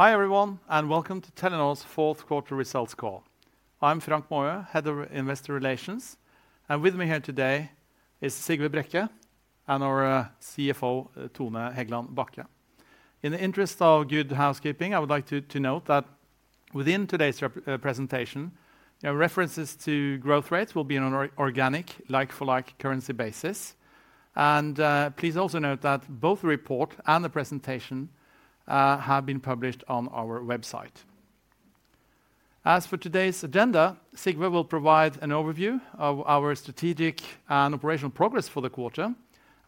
Hi, everyone, and welcome to Telenor's Fourth quarter Results Call. I'm Frank Maaø, Head of Investor Relations, and with me here today is Sigve Brekke and our CFO, Tone Hegland Bachke. In the interest of good housekeeping, I would like to note that within today's report presentation, references to growth rates will be on an organic, like-for-like currency basis. Please also note that both the report and the presentation have been published on our website. As for today's agenda, Sigve will provide an overview of our strategic and operational progress for the quarter,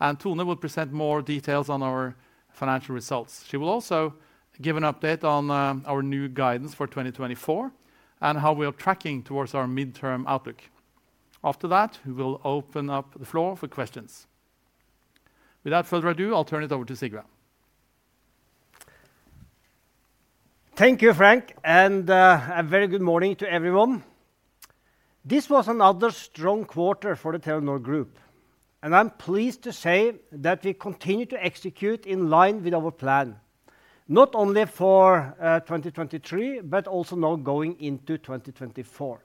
and Tone will present more details on our financial results. She will also give an update on our new guidance for 2024 and how we are tracking towards our midterm outlook. After that, we will open up the floor for questions. Without further ado, I'll turn it over to Sigve. Thank you, Frank, and a very good morning to everyone. This was another strong quarter for the Telenor Group, and I'm pleased to say that we continue to execute in line with our plan, not only for 2023, but also now going into 2024.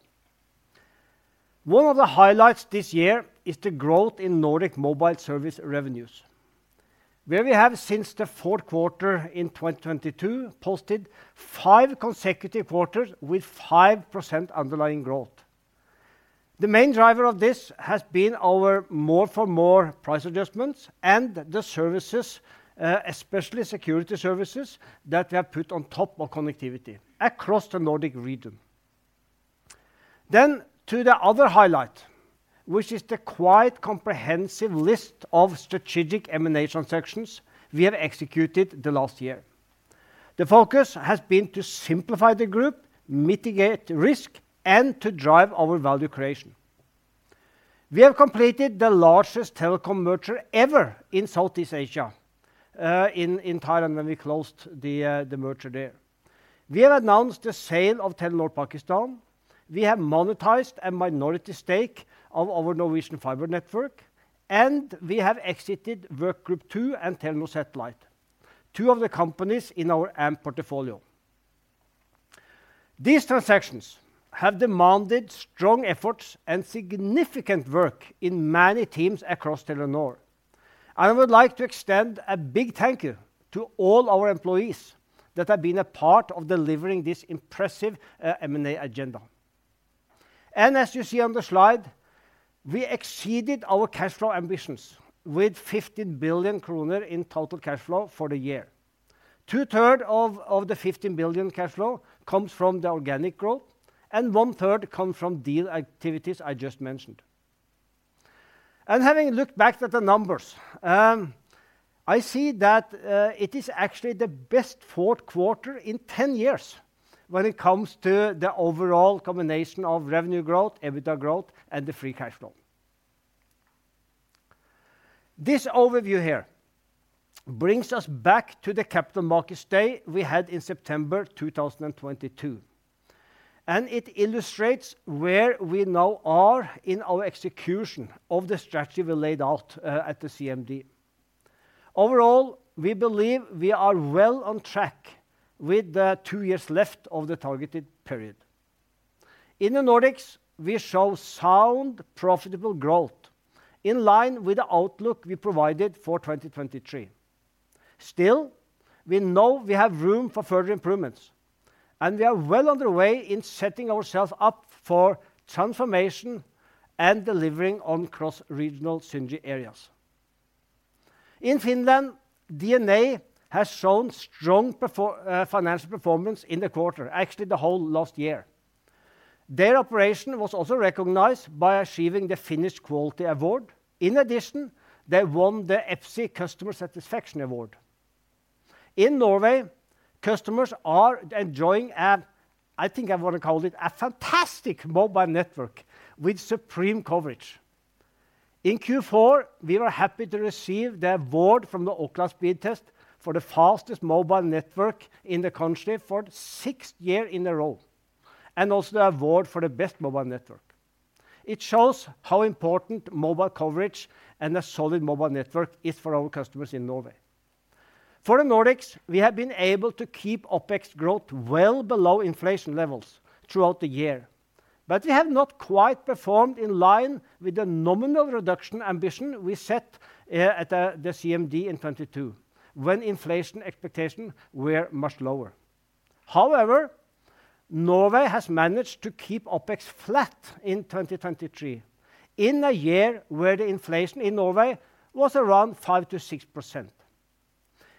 One of the highlights this year is the growth in Nordic mobile service revenues, where we have, since fourth quarter in 2022, posted five consecutive quarters with 5% underlying growth. The main driver of this has been our more for more price adjustments and the services, especially security services, that we have put on top of connectivity across the Nordic region. Then, to the other highlight, which is the quite comprehensive list of strategic M&A transactions we have executed the last year. The focus has been to simplify the group, mitigate risk, and to drive our value creation. We have completed the largest telecom merger ever in Southeast Asia, in Thailand, when we closed the merger there. We have announced the sale of Telenor Pakistan. We have monetized a minority stake of our Norwegian fiber network, and we have exited Workgroup Two and Telenor Satellite, two of the companies in our Amp portfolio. These transactions have demanded strong efforts and significant work in many teams across Telenor. I would like to extend a big thank you to all our employees that have been a part of delivering this impressive, M&A agenda. As you see on the slide, we exceeded our cash flow ambitions, with 15 billion kroner in total cash flow for the year. Two-thirds of the 15 billion cash flow comes from the organic growth, and one third come from deal activities I just mentioned. Having looked back at the numbers, I see that it is actually the best fourth quarter in 10 years when it comes to the overall combination of revenue growth, EBITDA growth, and the free cash flow. This overview here brings us back to the Capital Markets Day we had in September 2022, and it illustrates where we now are in our execution of the strategy we laid out at the CMD. Overall, we believe we are well on track with the two years left of the targeted period. In the Nordics, we show sound, profitable growth in line with the outlook we provided for 2023. Still, we know we have room for further improvements, and we are well on the way in setting ourselves up for transformation and delivering on cross-regional synergy areas. In Finland, DNA has shown strong financial performance in the quarter, actually, the whole last year. Their operation was also recognized by achieving the Finnish Quality Award. In addition, they won the EPSI Customer Satisfaction Award. In Norway, customers are enjoying a, I think I want to call it, a fantastic mobile network with supreme coverage. In Q4, we were happy to receive the award from the Ookla Speedtest for the fastest mobile network in the country for the sixth year in a row, and also the award for the best mobile network. It shows how important mobile coverage and a solid mobile network is for our customers in Norway. For the Nordics, we have been able to keep OpEx growth well below inflation levels throughout the year, but we have not quite performed in line with the nominal reduction ambition we set at the CMD in 2022, when inflation expectations were much lower. However, Norway has managed to keep OpEx flat in 2023, in a year where the inflation in Norway was around 5%-6%.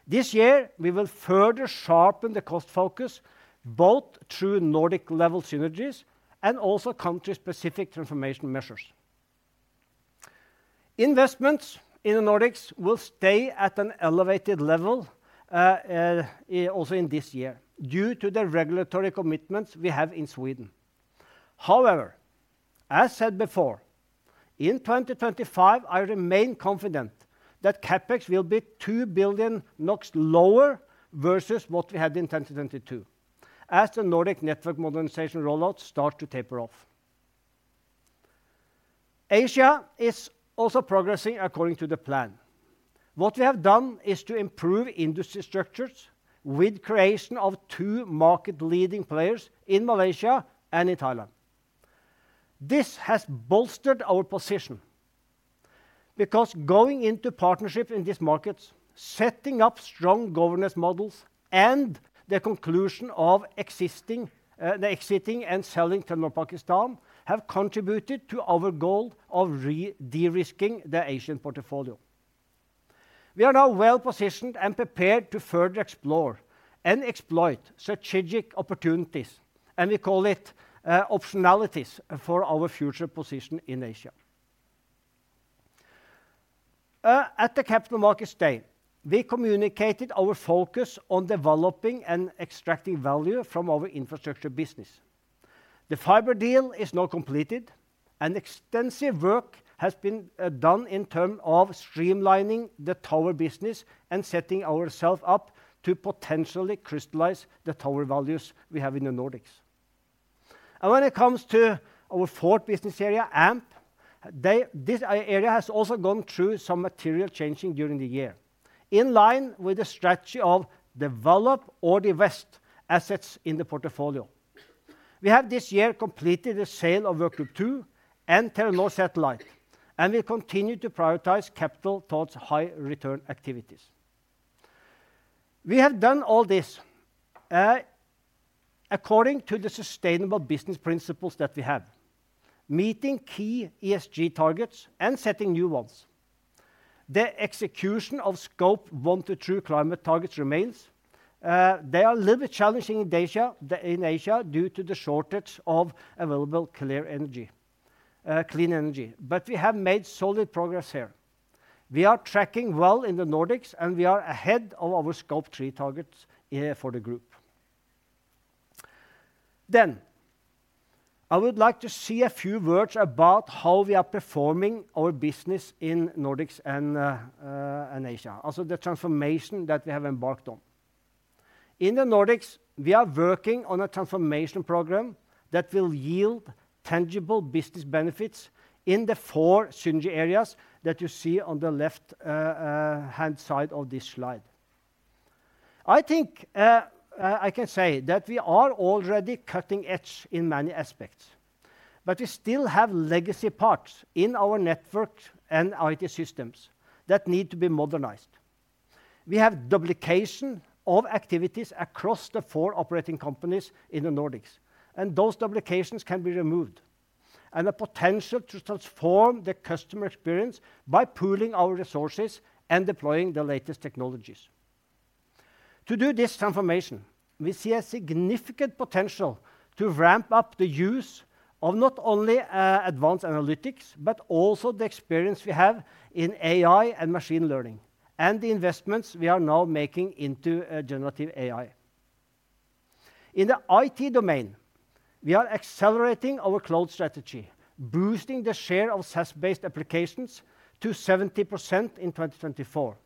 This year, we will further sharpen the cost focus, both through Nordic level synergies and also country-specific transformation measures. Investments in the Nordics will stay at an elevated level also in this year, due to the regulatory commitments we have in Sweden. However, as said before, in 2025, I remain confident that CapEx will be 2 billion NOK lower versus what we had in 2022, as the Nordic network modernization rollouts start to taper off. Asia is also progressing according to the plan. What we have done is to improve industry structures with creation of two market-leading players in Malaysia and in Thailand. This has bolstered our position, because going into partnership in these markets, setting up strong governance models, and the conclusion of existing, the exiting and selling Telenor Pakistan, have contributed to our goal of re-de-risking the Asian portfolio. We are now well-positioned and prepared to further explore and exploit strategic opportunities, and we call it, optionalities for our future position in Asia. At the Capital Markets Day, we communicated our focus on developing and extracting value from our infrastructure business. The fiber deal is now completed, and extensive work has been done in terms of streamlining the tower business and setting ourselves up to potentially crystallize the tower values we have in the Nordics. And when it comes to our fourth business area, AMP, this area has also gone through some material changing during the year. In line with the strategy of develop or divest assets in the portfolio, we have this year completed the sale of Workgroup Two and Telenor Satellite, and we continue to prioritize capital towards high-return activities. We have done all this according to the sustainable business principles that we have, meeting key ESG targets and setting new ones. The execution of Scope 1 and 2 climate targets remains. They are a little bit challenging in Asia, in Asia, due to the shortage of available clean energy, but we have made solid progress here. We are tracking well in the Nordics, and we are ahead of our Scope 3 targets for the group. Then, I would like to say a few words about how we are performing our business in Nordics and Asia, also the transformation that we have embarked on. In the Nordics, we are working on a transformation program that will yield tangible business benefits in the four synergy areas that you see on the left hand side of this slide. I think I can say that we are already cutting-edge in many aspects, but we still have legacy parts in our network and IT systems that need to be modernized. We have duplication of activities across the four operating companies in the Nordics, and those duplications can be removed, and the potential to transform the customer experience by pooling our resources and deploying the latest technologies. To do this transformation, we see a significant potential to ramp up the use of not only advanced analytics, but also the experience we have in AI and machine learning, and the investments we are now making into generative AI. In the IT domain, we are accelerating our cloud strategy, boosting the share of SaaS-based applications to 70% in 2024.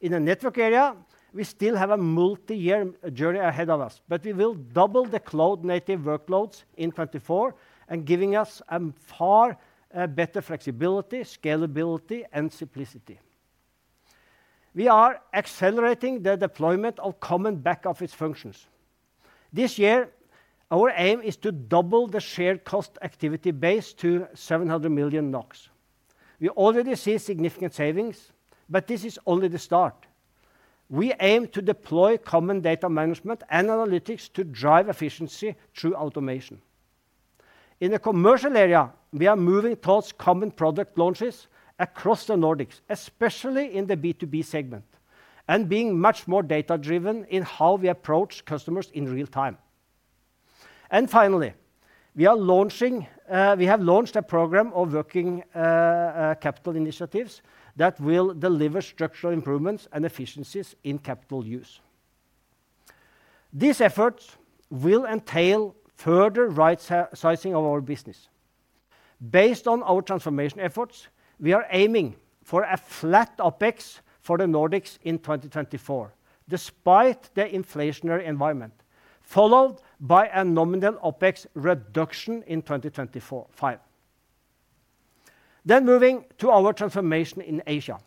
In the network area, we still have a multi-year journey ahead of us, but we will double the cloud-native workloads in 2024, and giving us a far better flexibility, scalability, and simplicity. We are accelerating the deployment of common back-office functions. This year, our aim is to double the shared cost activity base to 700 million NOK. We already see significant savings, but this is only the start. We aim to deploy common data management and analytics to drive efficiency through automation. In the commercial area, we are moving towards common product launches across the Nordics, especially in the B2B segment, and being much more data-driven in how we approach customers in real time. And finally, we are launching, we have launched a program of working capital initiatives that will deliver structural improvements and efficiencies in capital use. These efforts will entail further right-sizing of our business. Based on our transformation efforts, we are aiming for a flat OpEx for the Nordics in 2024, despite the inflationary environment, followed by a nominal OpEx reduction in 2025. Then moving to our transformation in Asia.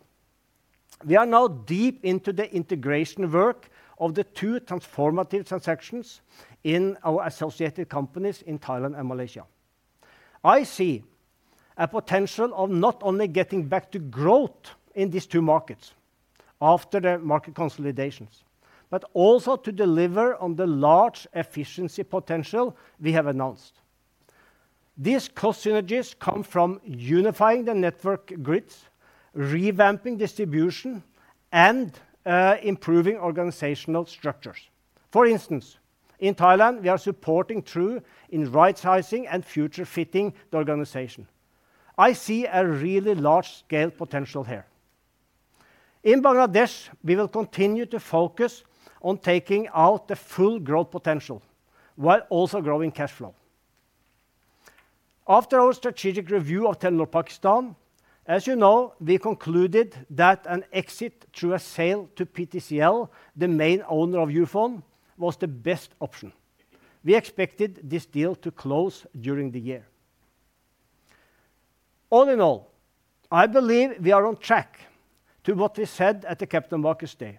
We are now deep into the integration work of the two transformative transactions in our associated companies in Thailand and Malaysia. I see a potential of not only getting back to growth in these two markets after the market consolidations, but also to deliver on the large efficiency potential we have announced. These cost synergies come from unifying the network grids, revamping distribution, and improving organizational structures. For instance, in Thailand, we are supporting True in right-sizing and future-fitting the organization. I see a really large-scale potential here. In Bangladesh, we will continue to focus on taking out the full growth potential, while also growing cash flow. After our strategic review of Telenor Pakistan, as you know, we concluded that an exit through a sale to PTCL, the main owner of Ufone, was the best option. We expected this deal to close during the year. All in all, I believe we are on track to what we said at the Capital Markets Day,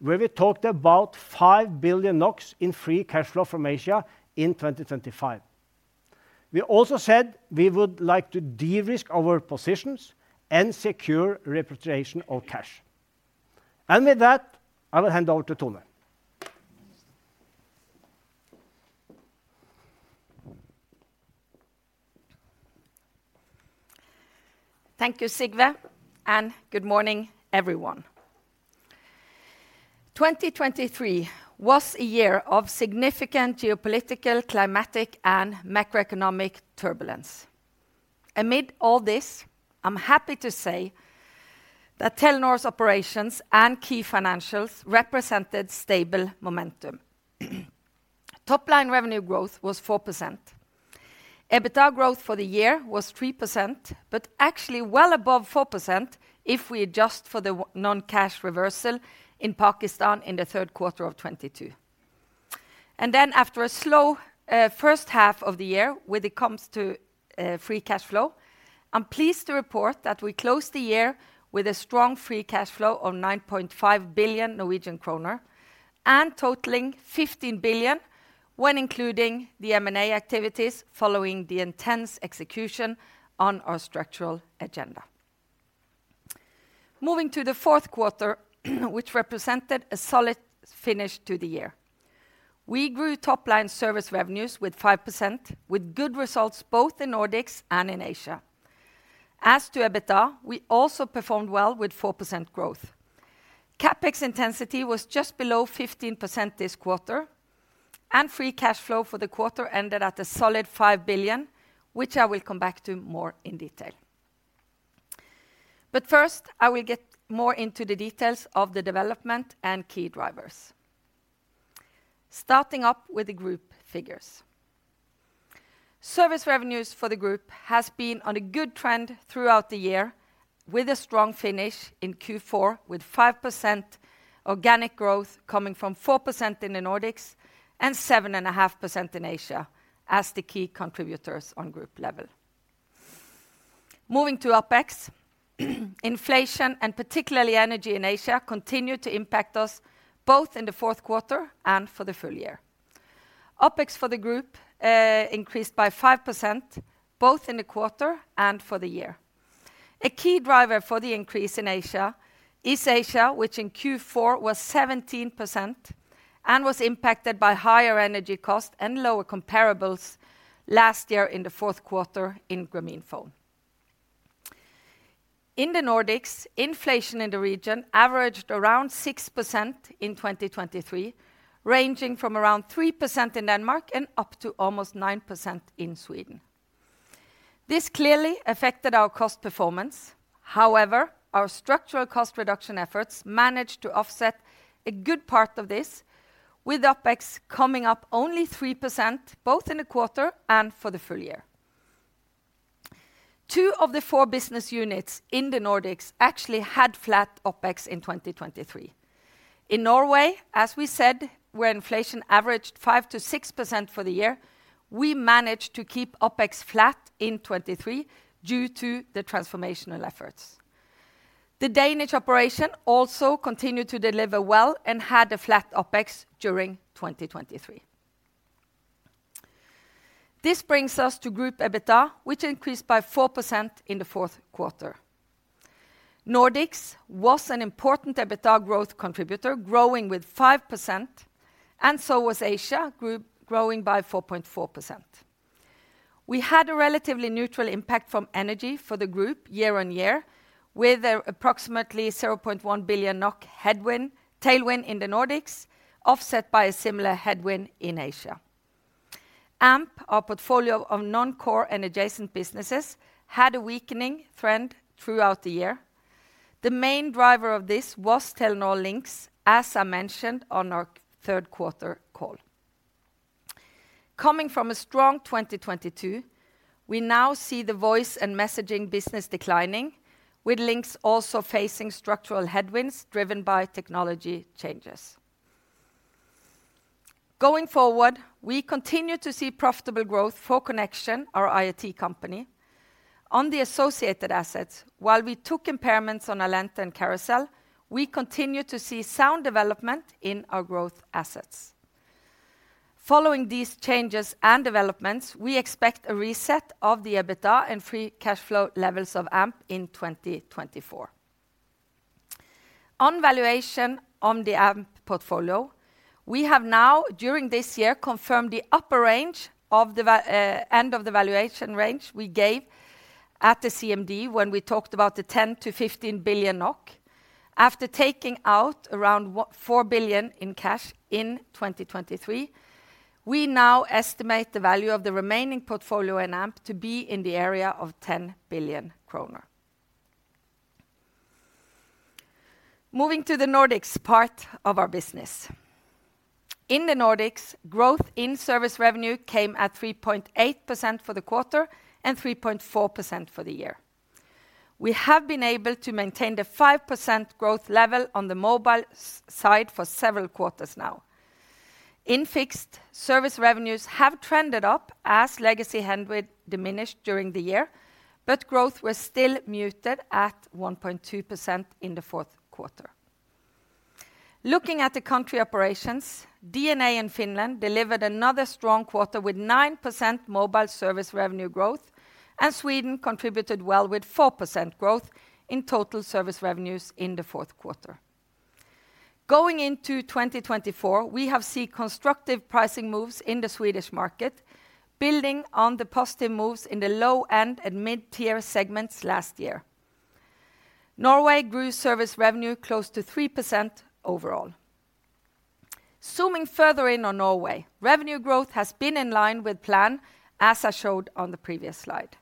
where we talked about 5 billion NOK in free cash flow from Asia in 2025. We also said we would like to de-risk our positions and secure repatriation of cash. With that, I will hand over to Tone. Thank you, Sigve, and good morning, everyone. 2023 was a year of significant geopolitical, climatic, and macroeconomic turbulence. Amid all this, I'm happy to say that Telenor's operations and key financials represented stable momentum. Top-line revenue growth was 4%. EBITDA growth for the year was 3%, but actually well above 4% if we adjust for the non-cash reversal in Pakistan in the third quarter of 2022. And then after a slow first half of the year when it comes to free cash flow, I'm pleased to report that we closed the year with a strong free cash flow of 9.5 billion Norwegian kroner, and totaling 15 billion, when including the M&A activities following the intense execution on our structural agenda. Moving to the fourth quarter, which represented a solid finish to the year. We grew top-line service revenues with 5%, with good results both in Nordics and in Asia. As to EBITDA, we also performed well with 4% growth. CapEx intensity was just below 15% this quarter, and free cash flow for the quarter ended at a solid 5 billion, which I will come back to more in detail. But first, I will get more into the details of the development and key drivers. Starting up with the group figures. Service revenues for the group has been on a good trend throughout the year, with a strong finish in Q4, with 5% organic growth coming from 4% in the Nordics and 7.5% in Asia as the key contributors on group level. Moving to OpEx, inflation and particularly energy in Asia, continued to impact us both in the fourth quarter and for the full year. OpEx for the group increased by 5%, both in the quarter and for the year. A key driver for the increase in Asia is Asia, which in Q4 was 17% and was impacted by higher energy costs and lower comparables last year in the fourth quarter in Grameenphone. In the Nordics, inflation in the region averaged around 6% in 2023, ranging from around 3% in Denmark and up to almost 9% in Sweden. This clearly affected our cost performance. However, our structural cost reduction efforts managed to offset a good part of this, with OpEx coming up only 3%, both in the quarter and for the full year. Two of the four business units in the Nordics actually had flat OpEx in 2023. In Norway, as we said, where inflation averaged 5%-6% for the year, we managed to keep OpEx flat in 2023 due to the transformational efforts. The Danish operation also continued to deliver well and had a flat OpEx during 2023. This brings us to group EBITDA, which increased by 4% in the fourth quarter. Nordics was an important EBITDA growth contributor, growing with 5%, and so was Asia, group growing by 4.4%. We had a relatively neutral impact from energy for the group year-on-year, with approximately 0.1 billion NOK headwind-tailwind in the Nordics, offset by a similar headwind in Asia. AMP, our portfolio of non-core and adjacent businesses, had a weakening trend throughout the year. The main driver of this was Telenor Linx, as I mentioned on our third quarter call. Coming from a strong 2022, we now see the voice and messaging business declining, with Linx also facing structural headwinds driven by technology changes. Going forward, we continue to see profitable growth for Connexion, our IoT company. On the associated assets, while we took impairments on Allente and Carousell, we continue to see sound development in our growth assets. Following these changes and developments, we expect a reset of the EBITDA and free cash flow levels of AMP in 2024. On valuation on the AMP portfolio, we have now, during this year, confirmed the upper end of the valuation range we gave at the CMD when we talked about the 10-15 billion NOK. After taking out around 4 billion in cash in 2023, we now estimate the value of the remaining portfolio in AMP to be in the area of 10 billion kroner. Moving to the Nordics part of our business. In the Nordics, growth in service revenue came at 3.8% for the quarter and 3.4% for the year. We have been able to maintain the 5% growth level on the mobile side for several quarters now. In fixed, service revenues have trended up as legacy bandwidth diminished during the year, but growth was still muted at 1.2% in the fourth quarter. Looking at the country operations, DNA in Finland delivered another strong quarter with 9% mobile service revenue growth, and Sweden contributed well with 4% growth in total service revenues in the fourth quarter. Going into 2024, we have seen constructive pricing moves in the Swedish market, building on the positive moves in the low end and mid-tier segments last year. Norway grew service revenue close to 3% overall. Zooming further in on Norway, revenue growth has been in line with plan, as I showed on the previous slide.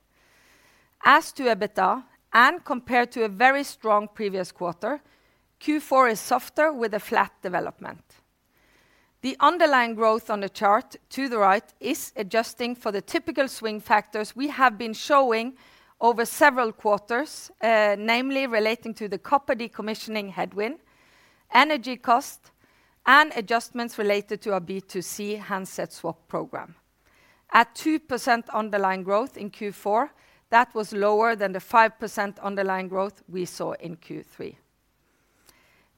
As to EBITDA, and compared to a very strong previous quarter, Q4 is softer with a flat development. The underlying growth on the chart to the right is adjusting for the typical swing factors we have been showing over several quarters, namely relating to the copper decommissioning headwind, energy cost, and adjustments related to our B2C handset swap program. At 2% underlying growth in Q4, that was lower than the 5% underlying growth we saw in Q3.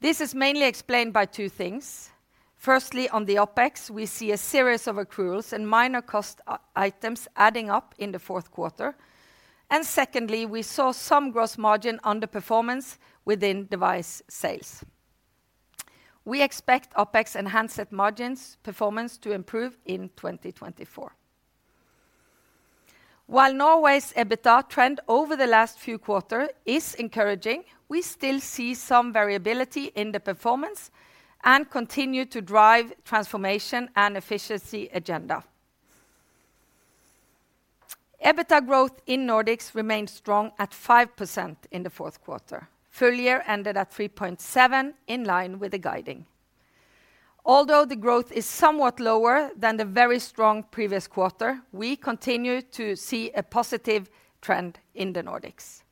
This is mainly explained by two things. Firstly, on the OpEx, we see a series of accruals and minor cost items adding up in the fourth quarter. Secondly, we saw some gross margin underperformance within device sales. We expect OpEx and handset margins performance to improve in 2024. While Norway's EBITDA trend over the last few quarter is encouraging, we still see some variability in the performance and continue to drive transformation and efficiency agenda. EBITDA growth in Nordics remains strong at 5% in the fourth quarter. Full year ended at 3.7, in line with the guidance. Although the growth is somewhat lower than the very strong previous quarter, we continue to see a positive trend in the Nordics.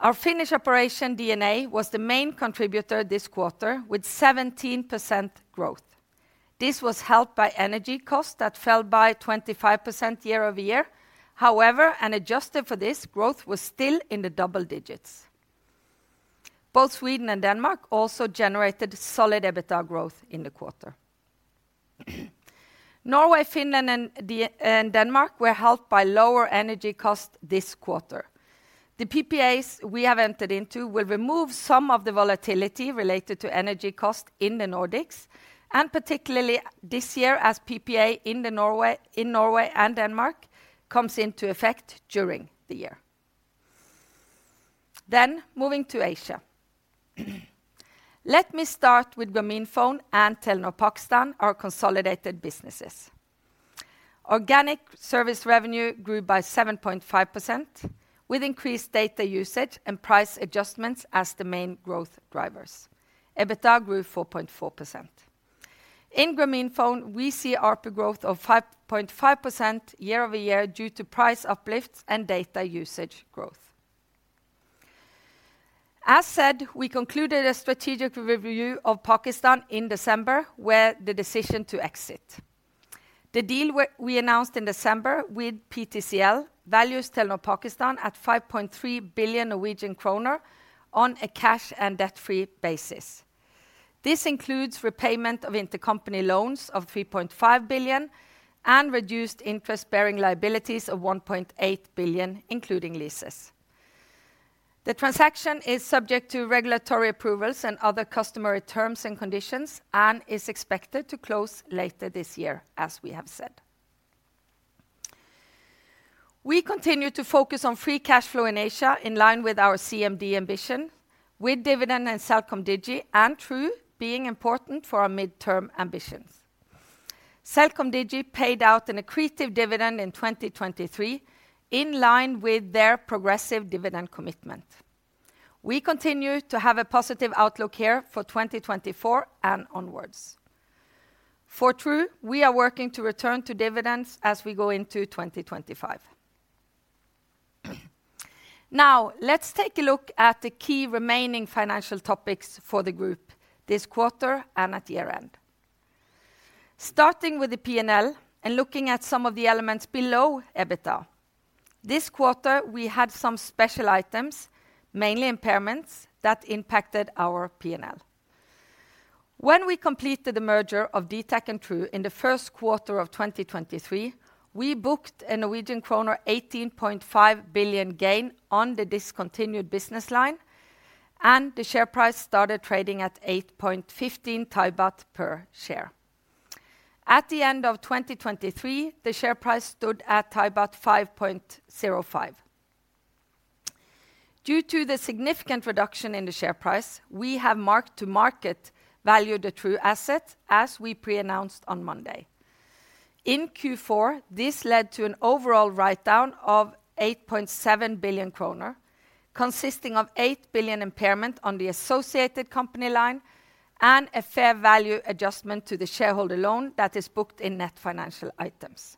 Our Finnish operation, DNA, was the main contributor this quarter, with 17% growth. This was helped by energy costs that fell by 25% year-over-year. However, adjusted for this, growth was still in the double digits. Both Sweden and Denmark also generated solid EBITDA growth in the quarter. Norway, Finland, and Denmark were helped by lower energy costs this quarter. The PPAs we have entered into will remove some of the volatility related to energy cost in the Nordics, and particularly this year as PPA in Norway and Denmark comes into effect during the year. Then moving to Asia. Let me start with Grameenphone and Telenor Pakistan, our consolidated businesses. Organic service revenue grew by 7.5%, with increased data usage and price adjustments as the main growth drivers. EBITDA grew 4.4%. In Grameenphone, we see ARPU growth of 5.5% year-over-year due to price uplifts and data usage growth. As said, we concluded a strategic review of Pakistan in December, where the decision to exit. The deal we announced in December with PTCL values Telenor Pakistan at 5.3 billion Norwegian kroner on a cash and debt-free basis. This includes repayment of intercompany loans of 3.5 billion, and reduced interest-bearing liabilities of 1.8 billion, including leases. The transaction is subject to regulatory approvals and other customary terms and conditions, and is expected to close later this year, as we have said. We continue to focus on free cash flow in Asia, in line with our CMD ambition, with dividend and CelcomDigi and True being important for our midterm ambitions. CelcomDigi paid out an accretive dividend in 2023, in line with their progressive dividend commitment. We continue to have a positive outlook here for 2024 and onwards. For True, we are working to return to dividends as we go into 2025. Now, let's take a look at the key remaining financial topics for the group this quarter and at year-end. Starting with the P&L and looking at some of the elements below EBITDA, this quarter we had some special items, mainly impairments, that impacted our P&L. When we completed the merger of dtac and True in the first quarter of 2023, we booked a Norwegian kroner 18.5 billion gain on the discontinued business line, and the share price started trading at 8.15 baht per share. At the end of 2023, the share price stood at 5.05 THB. Due to the significant reduction in the share price, we have marked to market value the True asset, as we pre-announced on Monday. In Q4, this led to an overall writedown of 8.7 billion kroner, consisting of 8 billion impairment on the associated company line and a fair value adjustment to the shareholder loan that is booked in net financial items.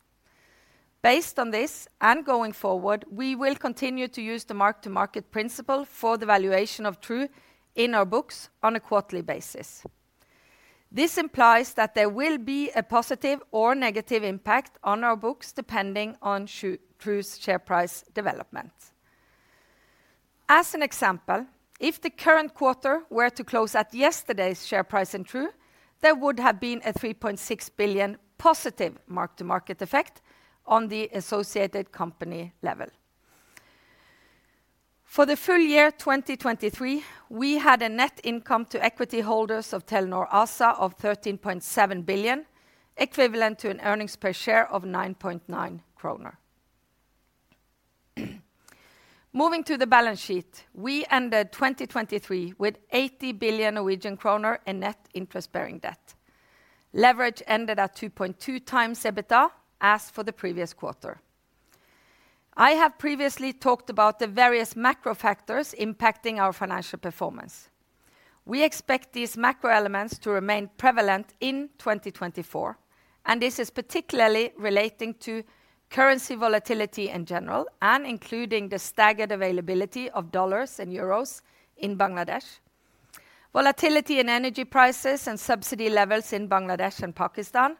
Based on this, and going forward, we will continue to use the mark-to-market principle for the valuation of True in our books on a quarterly basis. This implies that there will be a positive or negative impact on our books, depending on True's share price development. As an example, if the current quarter were to close at yesterday's share price in True, there would have been a 3.6 billion positive mark-to-market effect on the associated company level. For the full year 2023, we had a net income to equity holders of Telenor ASA of 13.7 billion, equivalent to an earnings per share of 9.9 kroner. Moving to the balance sheet, we ended 2023 with 80 billion Norwegian kroner in net interest-bearing debt. Leverage ended at 2.2x EBITDA as for the previous quarter. I have previously talked about the various macro factors impacting our financial performance. We expect these macro elements to remain prevalent in 2024, and this is particularly relating to currency volatility in general, and including the staggered availability of dollars and euros in Bangladesh, volatility in energy prices and subsidy levels in Bangladesh and Pakistan,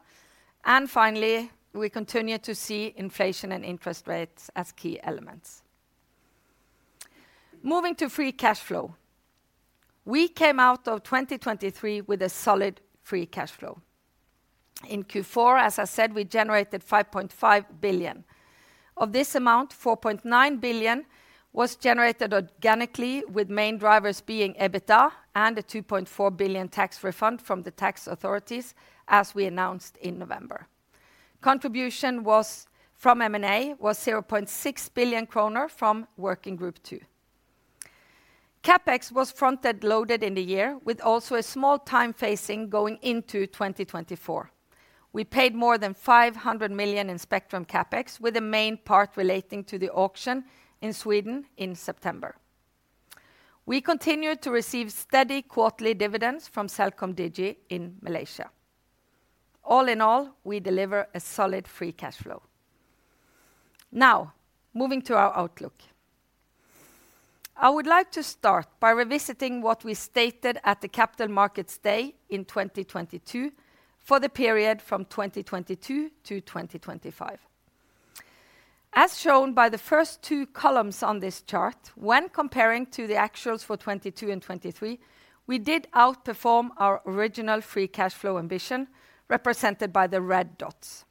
and finally, we continue to see inflation and interest rates as key elements. Moving to free cash flow. We came out of 2023 with a solid free cash flow. In Q4, as I said, we generated 5.5 billion. Of this amount, 4.9 billion was generated organically, with main drivers being EBITDA and a 2.4 billion tax refund from the tax authorities, as we announced in November. Contribution was, from M&A, was 0.6 billion kroner from Workgroup Two. CapEx was front-loaded in the year, with also a small time phasing going into 2024. We paid more than 500 million in spectrum CapEx, with the main part relating to the auction in Sweden in September. We continued to receive steady quarterly dividends from CelcomDigi in Malaysia. All in all, we deliver a solid free cash flow. Now, moving to our outlook. I would like to start by revisiting what we stated at the Capital Markets Day in 2022 for the period from 2022 to 2025. As shown by the first two columns on this chart, when comparing to the actuals for 2022 and 2023, we did outperform our original free cash flow ambition, represented by the red dots,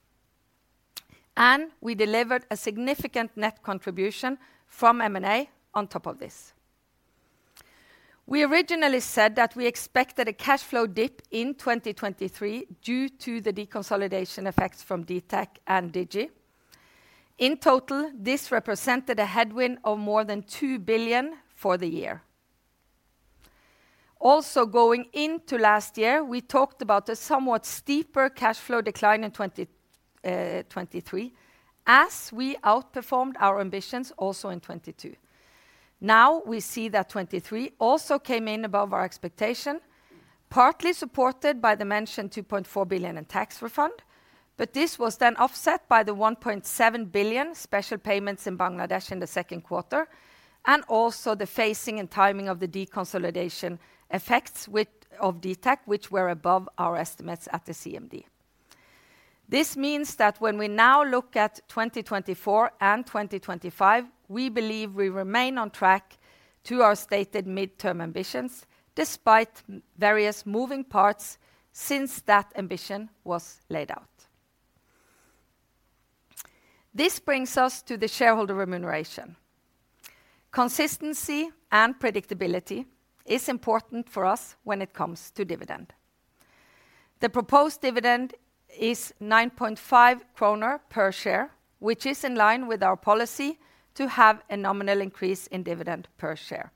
and we delivered a significant net contribution from M&A on top of this. We originally said that we expected a cash flow dip in 2023 due to the deconsolidation effects from dtac and Digi. In total, this represented a headwind of more than 2 billion for the year. Also, going into last year, we talked about a somewhat steeper cash flow decline in 2023, as we outperformed our ambitions also in 2022. Now, we see that 2023 also came in above our expectation, partly supported by the mentioned 2.4 billion in tax refund, but this was then offset by the 1.7 billion special payments in Bangladesh in the second quarter, and also the phasing and timing of the deconsolidation effects of dtac, which were above our estimates at the CMD. This means that when we now look at 2024 and 2025, we believe we remain on track to our stated midterm ambitions, despite various moving parts since that ambition was laid out. This brings us to the shareholder remuneration. Consistency and predictability is important for us when it comes to dividend. The proposed dividend is 9.5 kroner per share, which is in line with our policy to have a nominal increase in dividend per share.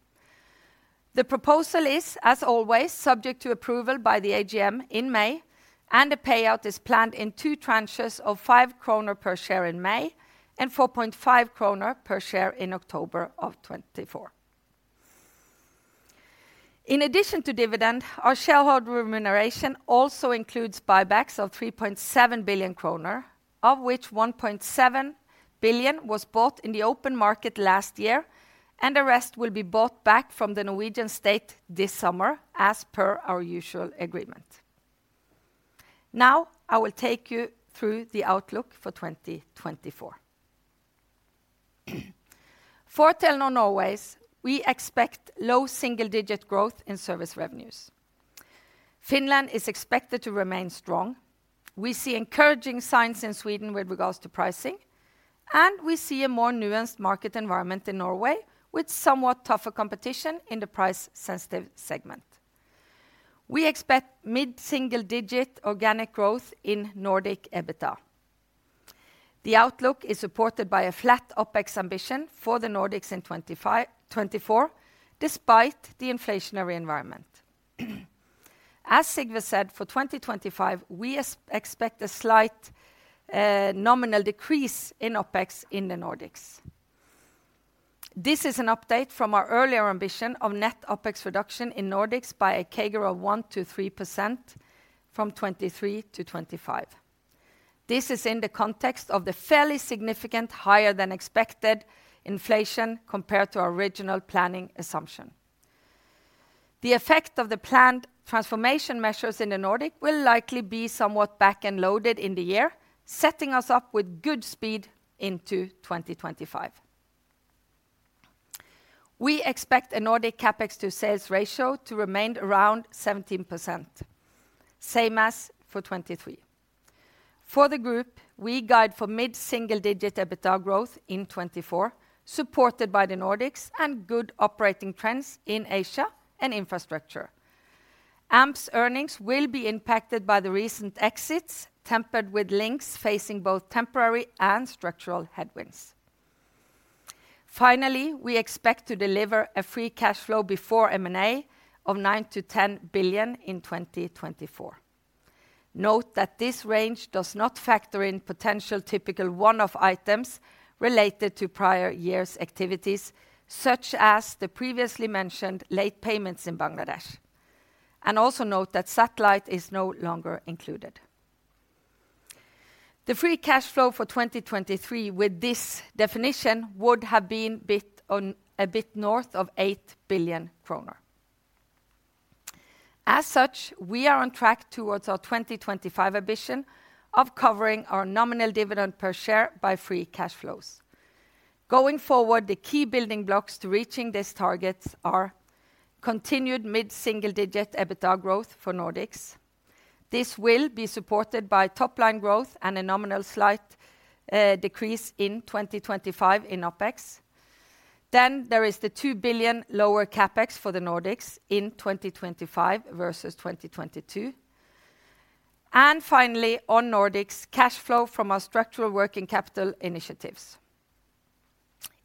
The proposal is, as always, subject to approval by the AGM in May, and the payout is planned in 2 tranches of 5 kroner per share in May and 4.5 kroner per share in October 2024. In addition to dividend, our shareholder remuneration also includes buybacks of 3.7 billion kroner, of which 1.7 billion was bought in the open market last year, and the rest will be bought back from the Norwegian state this summer, as per our usual agreement. Now, I will take you through the outlook for 2024. For Telenor Norway, we expect low single-digit growth in service revenues. Finland is expected to remain strong. We see encouraging signs in Sweden with regards to pricing, and we see a more nuanced market environment in Norway, with somewhat tougher competition in the price-sensitive segment. We expect mid-single-digit organic growth in Nordic EBITDA. The outlook is supported by a flat OpEx ambition for the Nordics in 2024, despite the inflationary environment. As Sigve said, for 2025, we expect a slight nominal decrease in OpEx in the Nordics. This is an update from our earlier ambition of net OpEx reduction in Nordics by a CAGR of 1%-3% from 2023 to 2025. This is in the context of the fairly significant, higher than expected inflation compared to our original planning assumption. The effect of the planned transformation measures in the Nordic will likely be somewhat back end loaded in the year, setting us up with good speed into 2025. We expect a Nordic CapEx to sales ratio to remain around 17%, same as for 2023. For the group, we guide for mid-single-digit EBITDA growth in 2024, supported by the Nordics and good operating trends in Asia and infrastructure. AMP's earnings will be impacted by the recent exits, tempered with links facing both temporary and structural headwinds. Finally, we expect to deliver a free cash flow before M&A of 9 billion-10 billion in 2024. Note that this range does not factor in potential typical one-off items related to prior years' activities, such as the previously mentioned late payments in Bangladesh. And also note that satellite is no longer included. The free cash flow for 2023, with this definition, would have been a bit north of 8 billion kroner. As such, we are on track towards our 2025 ambition of covering our nominal dividend per share by free cash flows. Going forward, the key building blocks to reaching these targets are continued mid-single-digit EBITDA growth for Nordics. This will be supported by top line growth and a nominal slight decrease in 2025 in OpEx. Then there is the 2 billion lower CapEx for the Nordics in 2025 versus 2022. And finally, on Nordics, cash flow from our structural working capital initiatives.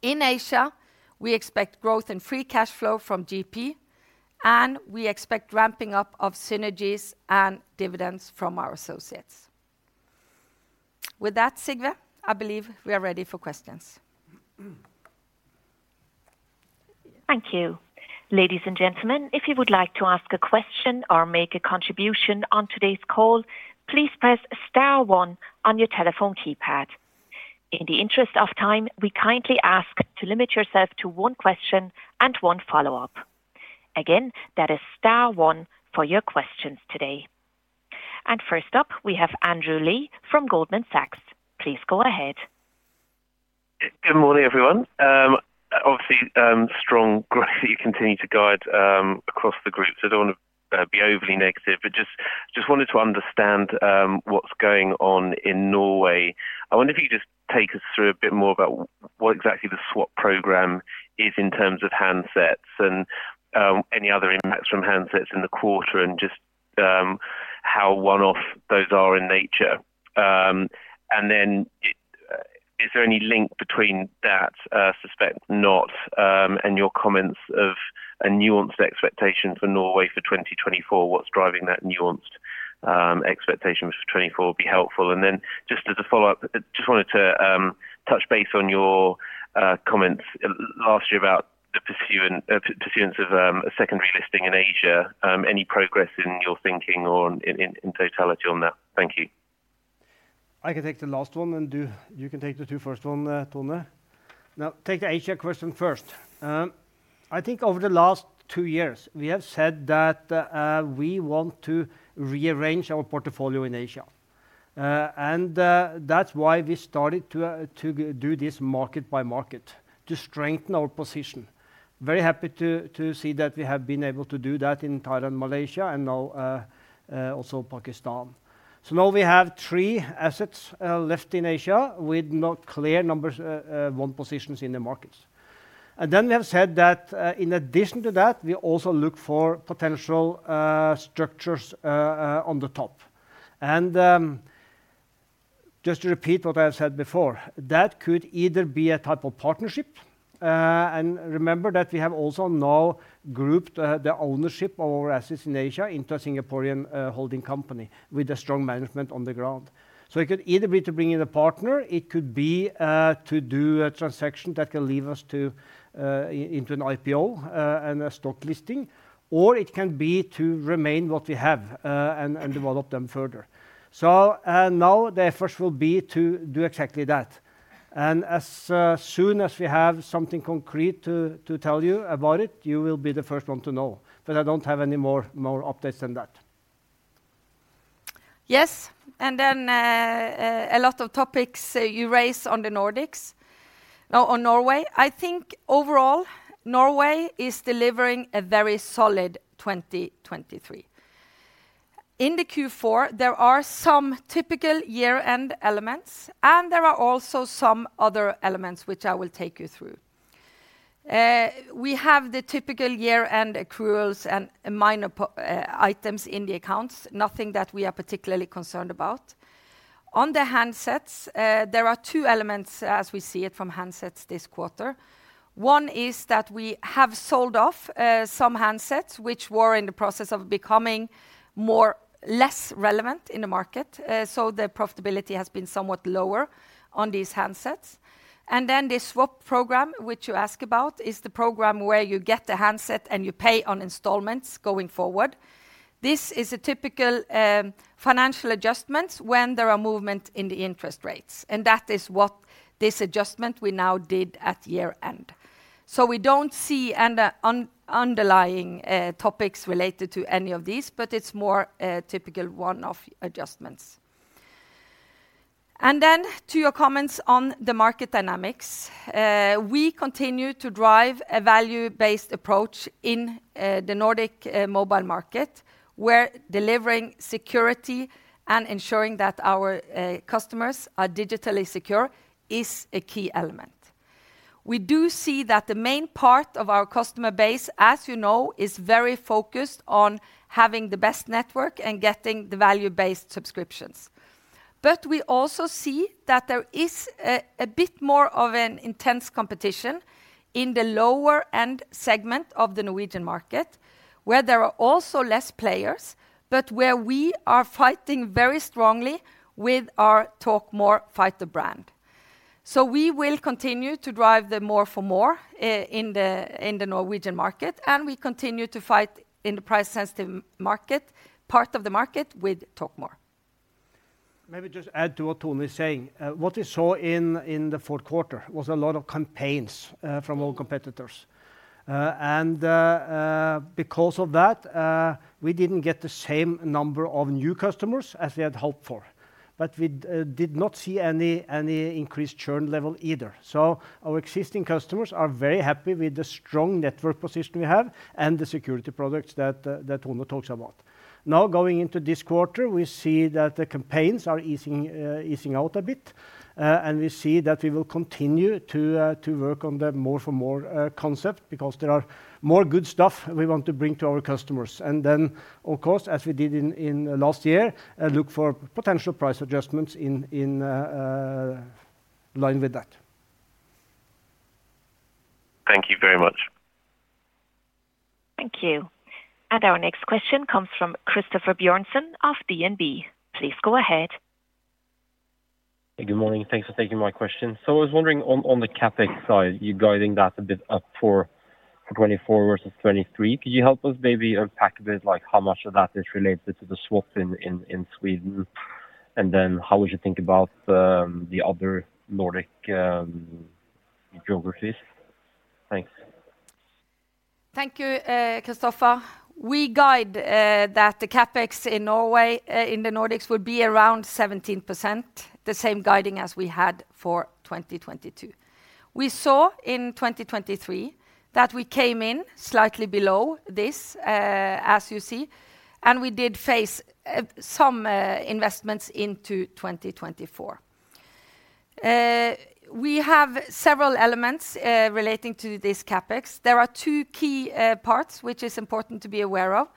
In Asia, we expect growth in free cash flow from GP, and we expect ramping up of synergies and dividends from our associates. With that, Sigve, I believe we are ready for questions. Thank you. Ladies and gentlemen, if you would like to ask a question or make a contribution on today's call, please press star one on your telephone keypad. In the interest of time, we kindly ask to limit yourself to one question and one follow-up. Again, that is star one for your questions today. First up, we have Andrew Lee from Goldman Sachs. Please go ahead. Good morning, everyone. Obviously, strong growth that you continue to guide across the group, so I don't want to be overly negative, but just wanted to understand what's going on in Norway. I wonder if you could just take us through a bit more about what exactly the swap program is in terms of handsets and any other impacts from handsets in the quarter, and just how one-off those are in nature. And then is there any link between that, I suspect not, and your comments of a nuanced expectation for Norway for 2024? What's driving that nuanced expectation for 2024 would be helpful. And then just as a follow-up, just wanted to touch base on your comments last year about the pursuance of a secondary listing in Asia. Any progress in your thinking or in totality on that? Thank you. I can take the last one, and you, you can take the two first one, Tone. Now, take the Asia question first. I think over the last two years, we have said that, we want to rearrange our portfolio in Asia. And, that's why we started to, to do this market by market, to strengthen our position. Very happy to, to see that we have been able to do that in Thailand, Malaysia, and now, also Pakistan. So now we have three assets, left in Asia with not clear numbers, one positions in the markets. And then we have said that, in addition to that, we also look for potential, structures, on the top. Just to repeat what I said before, that could either be a type of partnership, and remember that we have also now grouped the ownership of our assets in Asia into a Singaporean holding company with a strong management on the ground. So it could either be to bring in a partner, it could be to do a transaction that can lead us into an IPO and a stock listing, or it can be to remain what we have and develop them further. Now the efforts will be to do exactly that. And as soon as we have something concrete to tell you about it, you will be the first one to know, but I don't have any more updates than that. Yes, and then a lot of topics you raised on the Nordics. Oh, on Norway. I think overall, Norway is delivering a very solid 2023. In the Q4, there are some typical year-end elements, and there are also some other elements which I will take you through. We have the typical year-end accruals and minor items in the accounts, nothing that we are particularly concerned about. On the handsets, there are two elements as we see it from handsets this quarter. One is that we have sold off some handsets which were in the process of becoming more or less relevant in the market, so the profitability has been somewhat lower on these handsets. And then the swap program, which you ask about, is the program where you get the handset and you pay on installments going forward. This is a typical financial adjustments when there are movement in the interest rates, and that is what this adjustment we now did at year-end. So we don't see underlying topics related to any of these, but it's more typical one-off adjustments. And then to your comments on the market dynamics, we continue to drive a value-based approach in the Nordic mobile market, where delivering security and ensuring that our customers are digitally secure is a key element. We do see that the main part of our customer base, as you know, is very focused on having the best network and getting the value-based subscriptions. But we also see that there is a bit more of an intense competition in the lower-end segment of the Norwegian market, where there are also less players, but where we are fighting very strongly with our Talkmore fighter brand. So we will continue to drive the more for more in the Norwegian market, and we continue to fight in the price-sensitive market, part of the market with TalkMore. Maybe just add to what Tone is saying. What we saw in the fourth quarter was a lot of campaigns from all competitors. Because of that, we didn't get the same number of new customers as we had hoped for, but we did not see any increased churn level either. So our existing customers are very happy with the strong network position we have and the security products that Tone talks about. Now, going into this quarter, we see that the campaigns are easing out a bit, and we see that we will continue to work on the more for more concept because there are more good stuff we want to bring to our customers. And then, of course, as we did in last year, look for potential price adjustments in line with that. Thank you very much. Thank you. And our next question comes from Christoffer Bjørnsen of DNB. Please go ahead. Good morning, and thanks for taking my question. So I was wondering on the CapEx side, you're guiding that a bit up for 2024 versus 2023. Could you help us maybe unpack a bit like how much of that is related to the swap in Sweden? And then how would you think about the other Nordic geographies? Thanks. Thank you, Christoffer. We guide that the CapEx in Norway in the Nordics would be around 17%, the same guiding as we had for 2022. We saw in 2023 that we came in slightly below this, as you see, and we did face some investments into 2024. We have several elements relating to this CapEx. There are two key parts which is important to be aware of.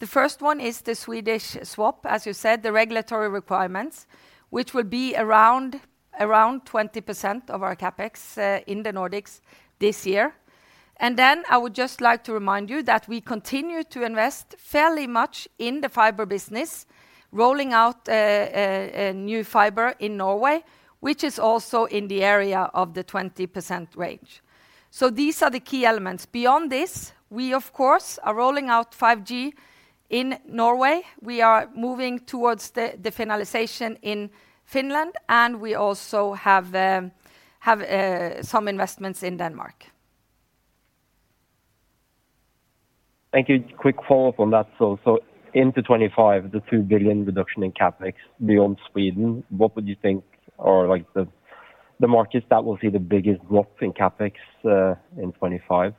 The first one is the Swedish swap, as you said, the regulatory requirements, which will be around 20% of our CapEx in the Nordics this year. And then I would just like to remind you that we continue to invest fairly much in the fiber business, rolling out a new fiber in Norway, which is also in the area of the 20% range. So these are the key elements. Beyond this, we of course are rolling out 5G in Norway. We are moving towards the finalization in Finland, and we also have some investments in Denmark. Thank you. Quick follow-up on that. So, so into 2025, the 2 billion reduction in CapEx beyond Sweden, what would you think are, like, the, the markets that will see the biggest drop in CapEx, in 2025?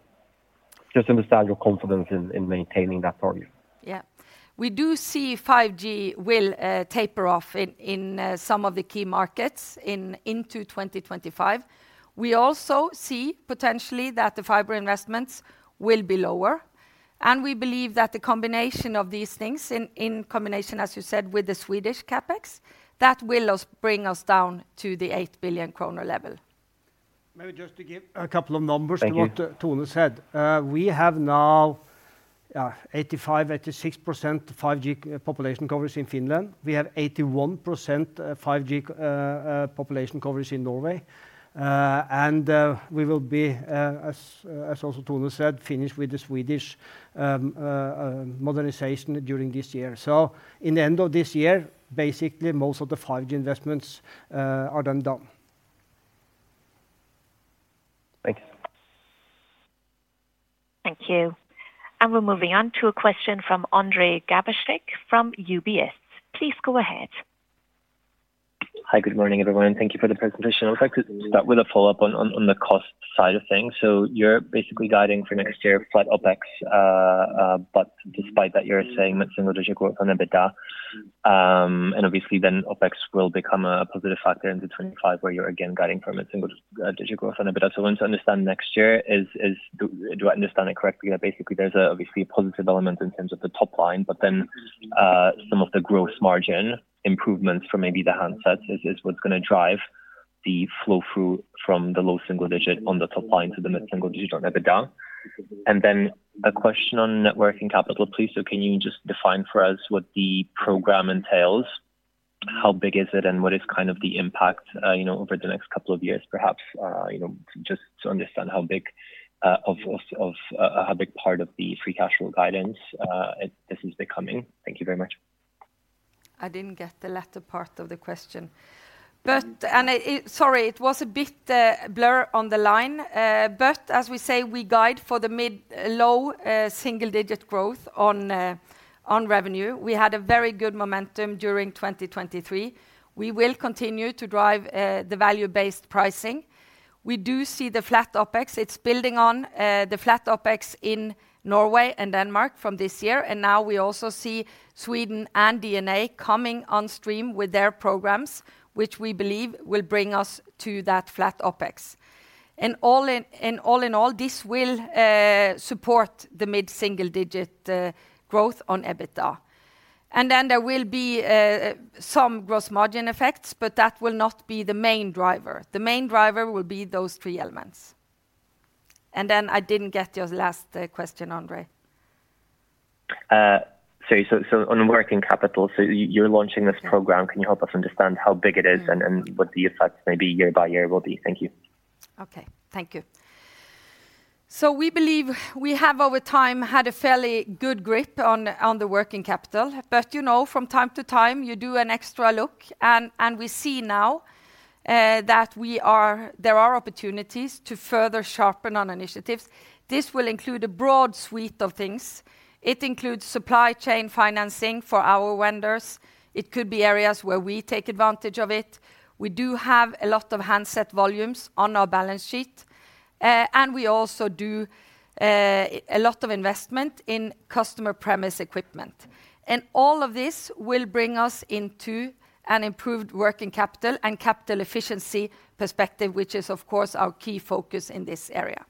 Just understand your confidence in, in maintaining that target. Yeah. We do see 5G will taper off in some of the key markets into 2025. We also see potentially that the fiber investments will be lower, and we believe that the combination of these things in combination, as you said, with the Swedish CapEx, that will bring us down to the 8 billion kroner level. Maybe just to give a couple of numbers- Thank you... to what Tone said. We have now 85%-86% 5G population coverage in Finland. We have 81% 5G population coverage in Norway. We will be, as also Tone said, finish with the Swedish modernization during this year. In the end of this year, basically, most of the 5G investments are then done. Thank you. Thank you. We're moving on to a question from Ondrej Cabejsek from UBS. Please go ahead. Hi. Good morning, everyone, and thank you for the presentation. I'd like to start with a follow-up on the cost side of things. So you're basically guiding for next year flat OpEx, but despite that, you're saying that single digit growth on EBITDA, and obviously then OpEx will become a positive factor into 2025, where you're again guiding from a single digit growth on EBITDA. So I want to understand next year, do I understand it correctly, that basically there's a obviously positive element in terms of the top line, but then some of the growth margin improvements from maybe the handsets is what's gonna drive the flow through from the low single digit on the top line to the mid single digit on EBITDA. And then a question on net working capital, please. So can you just define for us what the program entails? How big is it, and what is kind of the impact, you know, over the next couple of years, perhaps, you know, just to understand how big part of the free cash flow guidance, this is becoming. Thank you very much. I didn't get the latter part of the question. But sorry, it was a bit blurry on the line. But as we say, we guide for the mid-low single-digit growth on revenue. We had a very good momentum during 2023. We will continue to drive the value-based pricing. We do see the flat OpEx. It's building on the flat OpEx in Norway and Denmark from this year, and now we also see Sweden and DNA coming on stream with their programs, which we believe will bring us to that flat OpEx. And all in, and all in all, this will support the mid-single-digit growth on EBITDA. And then there will be some gross margin effects, but that will not be the main driver. The main driver will be those three elements. And then I didn't get your last question, Ondrej. Sorry, so on working capital, so you're launching this program- Yeah. Can you help us understand how big it is? Mm-hmm... and what the effects may be year by year will be? Thank you. Okay, thank you. So we believe we have, over time, had a fairly good grip on the working capital, but, you know, from time to time, you do an extra look, and we see now that there are opportunities to further sharpen on initiatives. This will include a broad suite of things. It includes supply chain financing for our vendors. It could be areas where we take advantage of it. We do have a lot of handset volumes on our balance sheet, and we also do a lot of investment in customer premise equipment. And all of this will bring us into an improved working capital and capital efficiency perspective, which is, of course, our key focus in this area.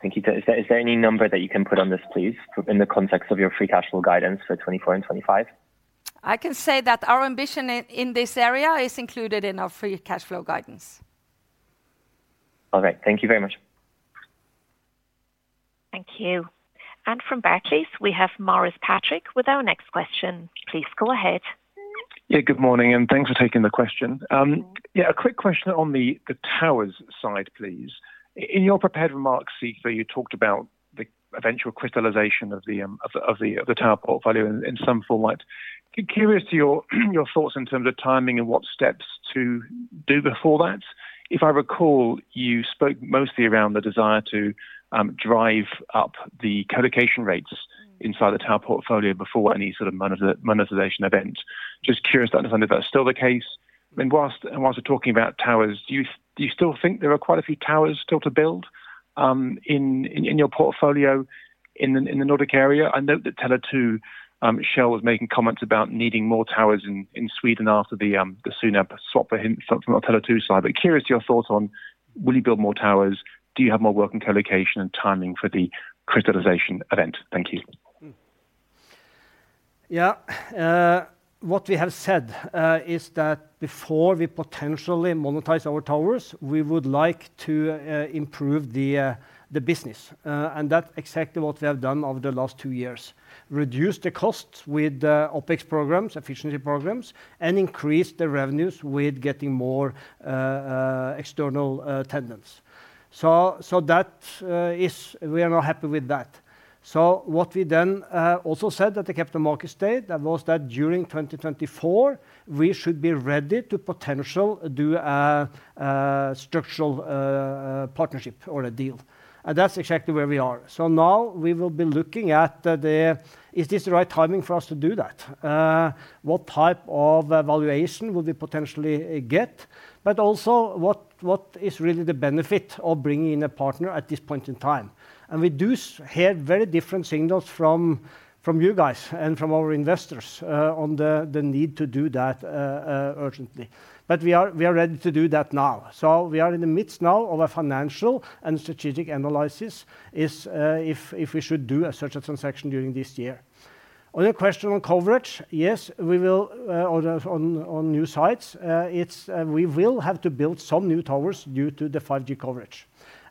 Thank you. Is there any number that you can put on this, please, in the context of your free cash flow guidance for 2024 and 2025? I can say that our ambition in this area is included in our free cash flow guidance. All right. Thank you very much. Thank you. From Barclays, we have Maurice Patrick with our next question. Please go ahead. Yeah, good morning, and thanks for taking the question. Yeah, a quick question on the towers side, please. In your prepared remarks, Sigve, you talked about the eventual crystallization of the tower portfolio in some format. Curious to your thoughts in terms of timing and what steps to do before that. If I recall, you spoke mostly around the desire to drive up the colocation rates inside the tower portfolio before any sort of monetization event. Just curious to understand if that's still the case. And whilst we're talking about towers, do you still think there are quite a few towers still to build in your portfolio in the Nordic area? I note that Tone too, she was making comments about needing more towers in Sweden after the spectrum swap from. But curious your thoughts on will you build more towers? Do you have more work in colocation and timing for the crystallization event? Thank you. What we have said is that before we potentially monetize our towers, we would like to improve the business. And that's exactly what we have done over the last two years. Reduce the costs with the OpEx programs, efficiency programs, and increase the revenues with getting more external tenants. So that is. We are now happy with that. So what we then also said at the Capital Markets Day, that was that during 2024, we should be ready to potentially do a structural partnership or a deal, and that's exactly where we are. So now we will be looking at, is this the right timing for us to do that? What type of evaluation will we potentially get? But also, what is really the benefit of bringing in a partner at this point in time? And we do hear very different signals from you guys and from our investors on the need to do that urgently. But we are ready to do that now. So we are in the midst now of a financial and strategic analysis if we should do such a transaction during this year. On your question on coverage, yes, we will on the new sites; it's we will have to build some new towers due to the 5G coverage.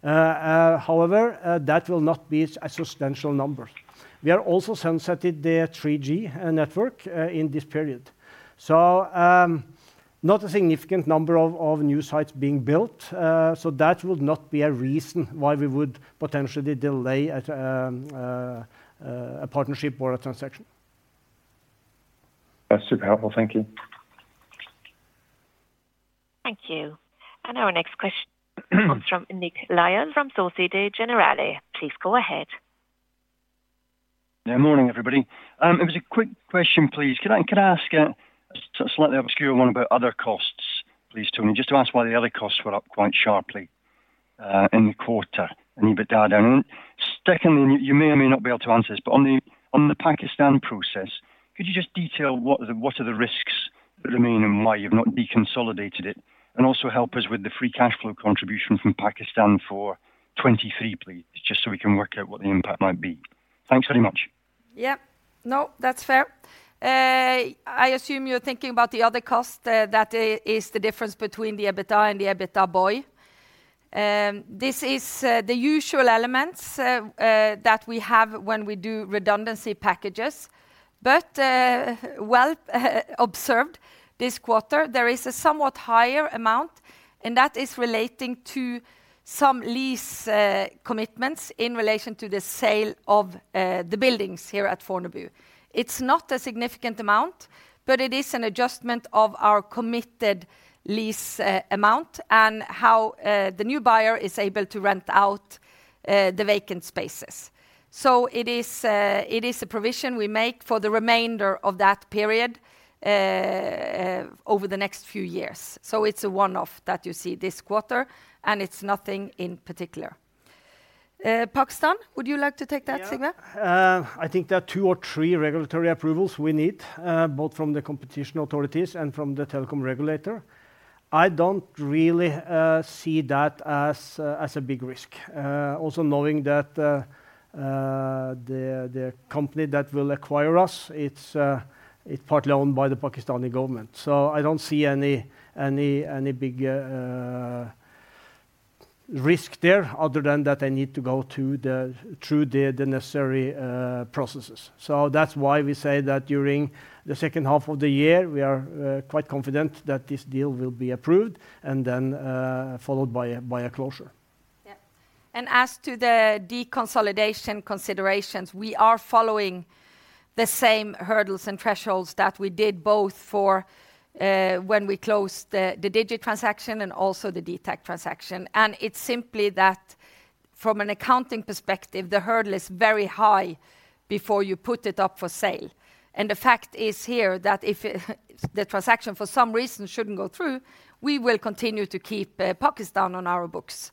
However, that will not be a substantial number. We are also sunsetting the 3G network in this period. So, not a significant number of new sites being built, so that would not be a reason why we would potentially delay at a partnership or a transaction. That's super helpful. Thank you. Thank you. Our next question comes from Nick Lyall from Société Générale. Please go ahead. Yeah, morning, everybody. It was a quick question, please. Can I ask a slightly obscure one about other costs, please, Tone? Just to ask why the other costs were up quite sharply in the quarter, and EBITDA down. Secondly, you may or may not be able to answer this, but on the Pakistan process, could you just detail what the risks-... remain and why you've not deconsolidated it? And also help us with the free cash flow contribution from Pakistan for 2023, please, just so we can work out what the impact might be. Thanks very much. Yeah. No, that's fair. I assume you're thinking about the other cost that is the difference between the EBITDA and the EBITDA before OI. This is the usual elements that we have when we do redundancy packages. But, well, observed this quarter, there is a somewhat higher amount, and that is relating to some lease commitments in relation to the sale of the buildings here at Fornebu. It's not a significant amount, but it is an adjustment of our committed lease amount and how the new buyer is able to rent out the vacant spaces. So it is a provision we make for the remainder of that period over the next few years. So it's a one-off that you see this quarter, and it's nothing in particular. Pakistan, would you like to take that, Sigve? Yeah. I think there are two or three regulatory approvals we need, both from the competition authorities and from the telecom regulator. I don't really see that as a big risk. Also knowing that the company that will acquire us, it's partly owned by the Pakistani government. So I don't see any big risk there, other than that they need to go through the necessary processes. So that's why we say that during the second half of the year, we are quite confident that this deal will be approved and then followed by a closure. Yeah. And as to the deconsolidation considerations, we are following the same hurdles and thresholds that we did both for, when we closed the, the Digi transaction and also the dtac transaction. And it's simply that from an accounting perspective, the hurdle is very high before you put it up for sale. And the fact is here that if it, the transaction, for some reason, shouldn't go through, we will continue to keep, Pakistan on our books.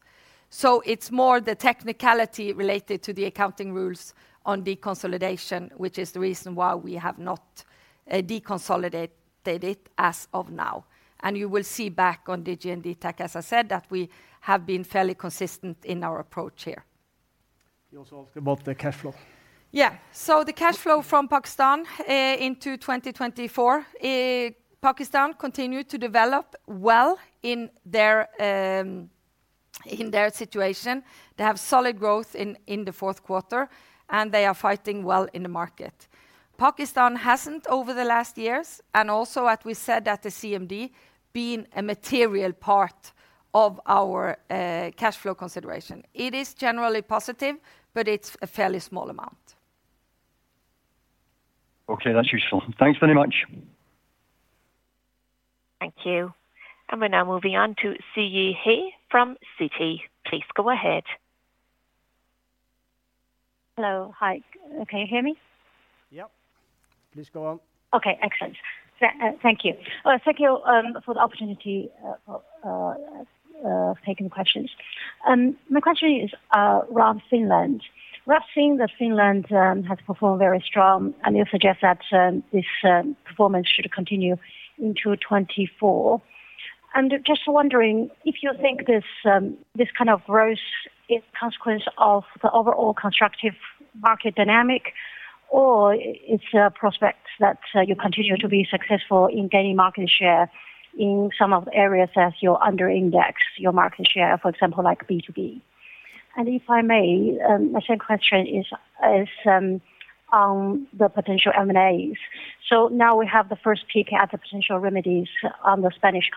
So it's more the technicality related to the accounting rules on deconsolidation, which is the reason why we have not, deconsolidated it as of now. And you will see back on Digi and dtac, as I said, that we have been fairly consistent in our approach here. You also asked about the cash flow. Yeah. So the cash flow from Pakistan into 2024, Pakistan continued to develop well in their, in their situation. They have solid growth in, in the fourth quarter, and they are fighting well in the market. Pakistan hasn't, over the last years, and also, as we said at the CMD, been a material part of our, cash flow consideration. It is generally positive, but it's a fairly small amount. Okay, that's useful. Thanks very much. Thank you. We're now moving on to Siyi He from Citi. Please go ahead. Hello. Hi. Can you hear me? Yep. Please go on. Okay, excellent. Thank you. Thank you for the opportunity of taking questions. My question is around Finland. We have seen that Finland has performed very strong, and you suggest that this performance should continue into 2024. Just wondering if you think this kind of growth is a consequence of the overall constructive market dynamic, or it's a prospect that you continue to be successful in gaining market share in some of the areas as you under index your market share, for example, like B2B? And if I may, my second question is on the potential M&As. So now we have the first peek at the potential remedies on the Spanish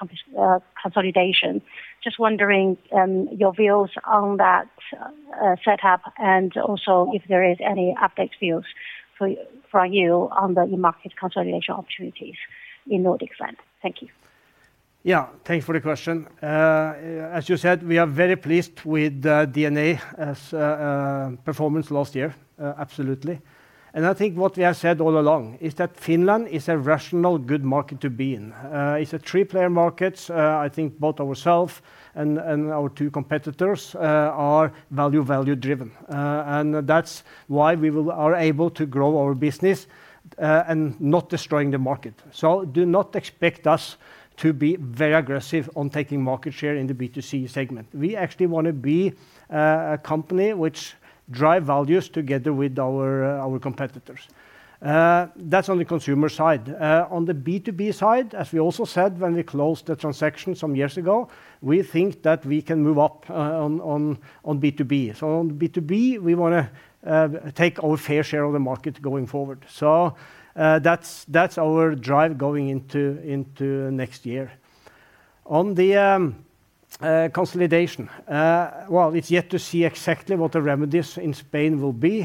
consolidation. Just wondering, your views on that setup, and also if there is any updated views for you on the market consolidation opportunities in Nordic land. Thank you. Yeah. Thank you for the question. As you said, we are very pleased with the DNA as performance last year, absolutely. And I think what we have said all along is that Finland is a rational, good market to be in. It's a three-player market. I think both ourselves and our two competitors are value-driven. And that's why we are able to grow our business and not destroying the market. So do not expect us to be very aggressive on taking market share in the B2C segment. We actually wanna be a company which drive values together with our competitors. That's on the consumer side. On the B2B side, as we also said when we closed the transaction some years ago, we think that we can move up on B2B. So on B2B, we wanna take our fair share of the market going forward. So, that's, that's our drive going into, into next year. On the consolidation, well, it's yet to see exactly what the remedies in Spain will be.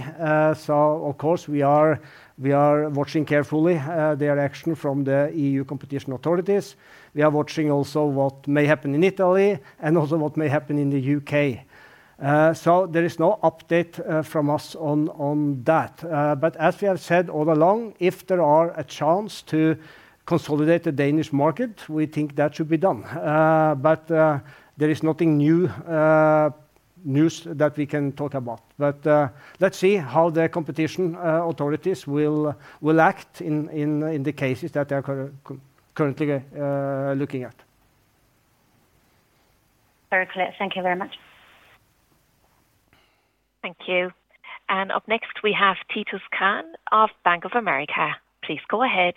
So of course, we are, we are watching carefully their action from the EU competition authorities. We are watching also what may happen in Italy and also what may happen in the UK. So there is no update from us on, on that. But as we have said all along, if there are a chance to consolidate the Danish market, we think that should be done. But, there is nothing new news that we can talk about. Let's see how the competition authorities will act in the cases that they are currently looking at. Very clear. Thank you very much. Thank you. Up next, we have Titus Krahn of Bank of America. Please go ahead.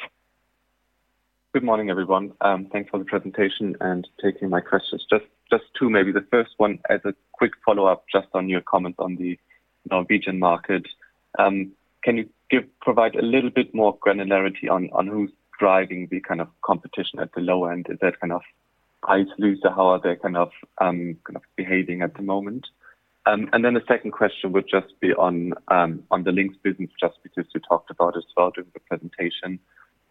Good morning, everyone. Thanks for the presentation and taking my questions. Just two, maybe. The first one, as a quick follow-up just on your comment on the Norwegian market. Can you provide a little bit more granularity on who's driving the kind of competition at the low end? Is that kind of Ice? How are they kind of behaving at the moment? And then the second question would just be on the Lynx business, just because you talked about as well during the presentation,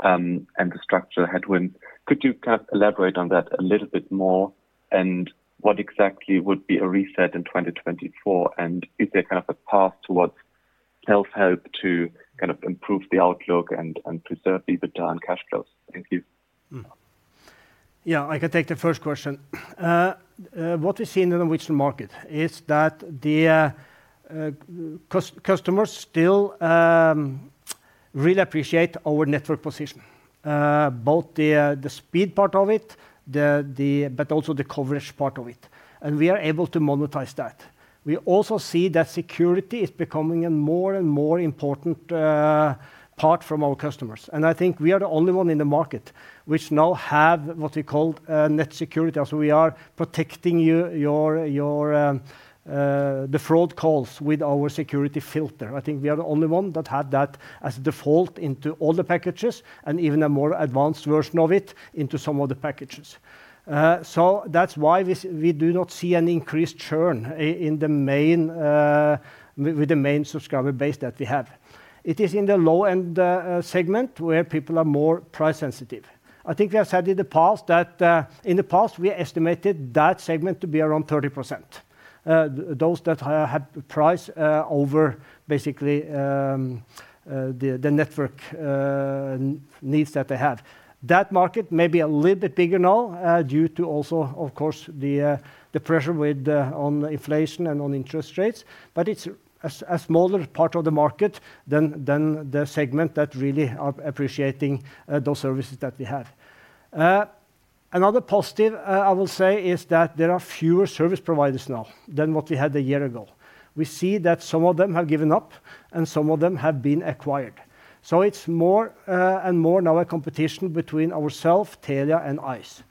and the structural headwinds. Could you kind of elaborate on that a little bit more, and what exactly would be a reset in 2024? And is there kind of a path towards self-help to kind of improve the outlook and preserve the EBITDA and cash flows? Thank you. Yeah, I can take the first question. What we see in the Norwegian market is that the customers still really appreciate our network position. Both the speed part of it, but also the coverage part of it, and we are able to monetize that. We also see that security is becoming a more and more important part from our customers, and I think we are the only one in the market which now have what we call Net Security. As we are protecting you from the fraud calls with our security filter. I think we are the only one that have that as default into all the packages, and even a more advanced version of it into some of the packages. So that's why we do not see an increased churn in the main with the main subscriber base that we have. It is in the low-end segment where people are more price sensitive. I think we have said in the past that in the past we estimated that segment to be around 30%. Those that have price over basically the network needs that they have. That market may be a little bit bigger now due to also of course the pressure with the on inflation and on interest rates, but it's a smaller part of the market than the segment that really are appreciating those services that we have. Another positive, I will say, is that there are fewer service providers now than what we had a year ago. We see that some of them have given up and some of them have been acquired. So it's more and more now a competition between ourselves, Telia, and Ice.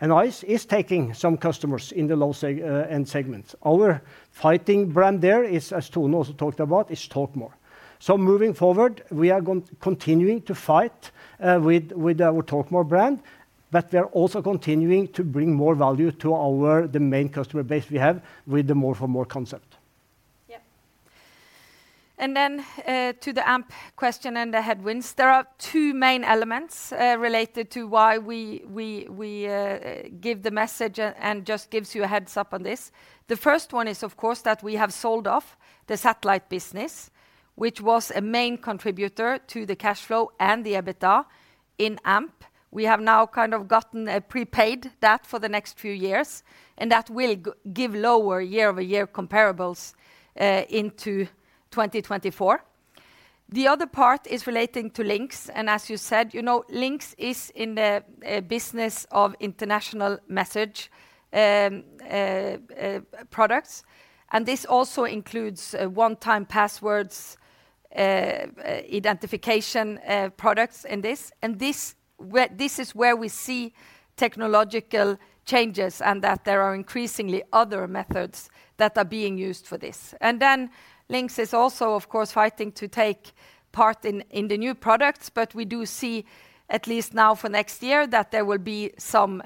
And Ice is taking some customers in the low-end segments. Our fighting brand there is, as Tone also talked about, TalkMore. So moving forward, we are going continuing to fight with, with our TalkMore brand, but we are also continuing to bring more value to our... the main customer base we have with the More for More concept. Yeah. And then to the AMP question and the headwinds. There are two main elements related to why we give the message and just gives you a heads-up on this. The first one is, of course, that we have sold off the satellite business, which was a main contributor to the cash flow and the EBITDA in AMP. We have now kind of gotten a prepaid that for the next few years, and that will give lower year-over-year comparables into 2024. The other part is relating to Lynx, and as you said, you know, Lynx is in the business of international message products, and this also includes one-time passwords identification products in this. This is where we see technological changes and that there are increasingly other methods that are being used for this. Then Lynx is also, of course, fighting to take part in the new products, but we do see, at least now for next year, that there will be some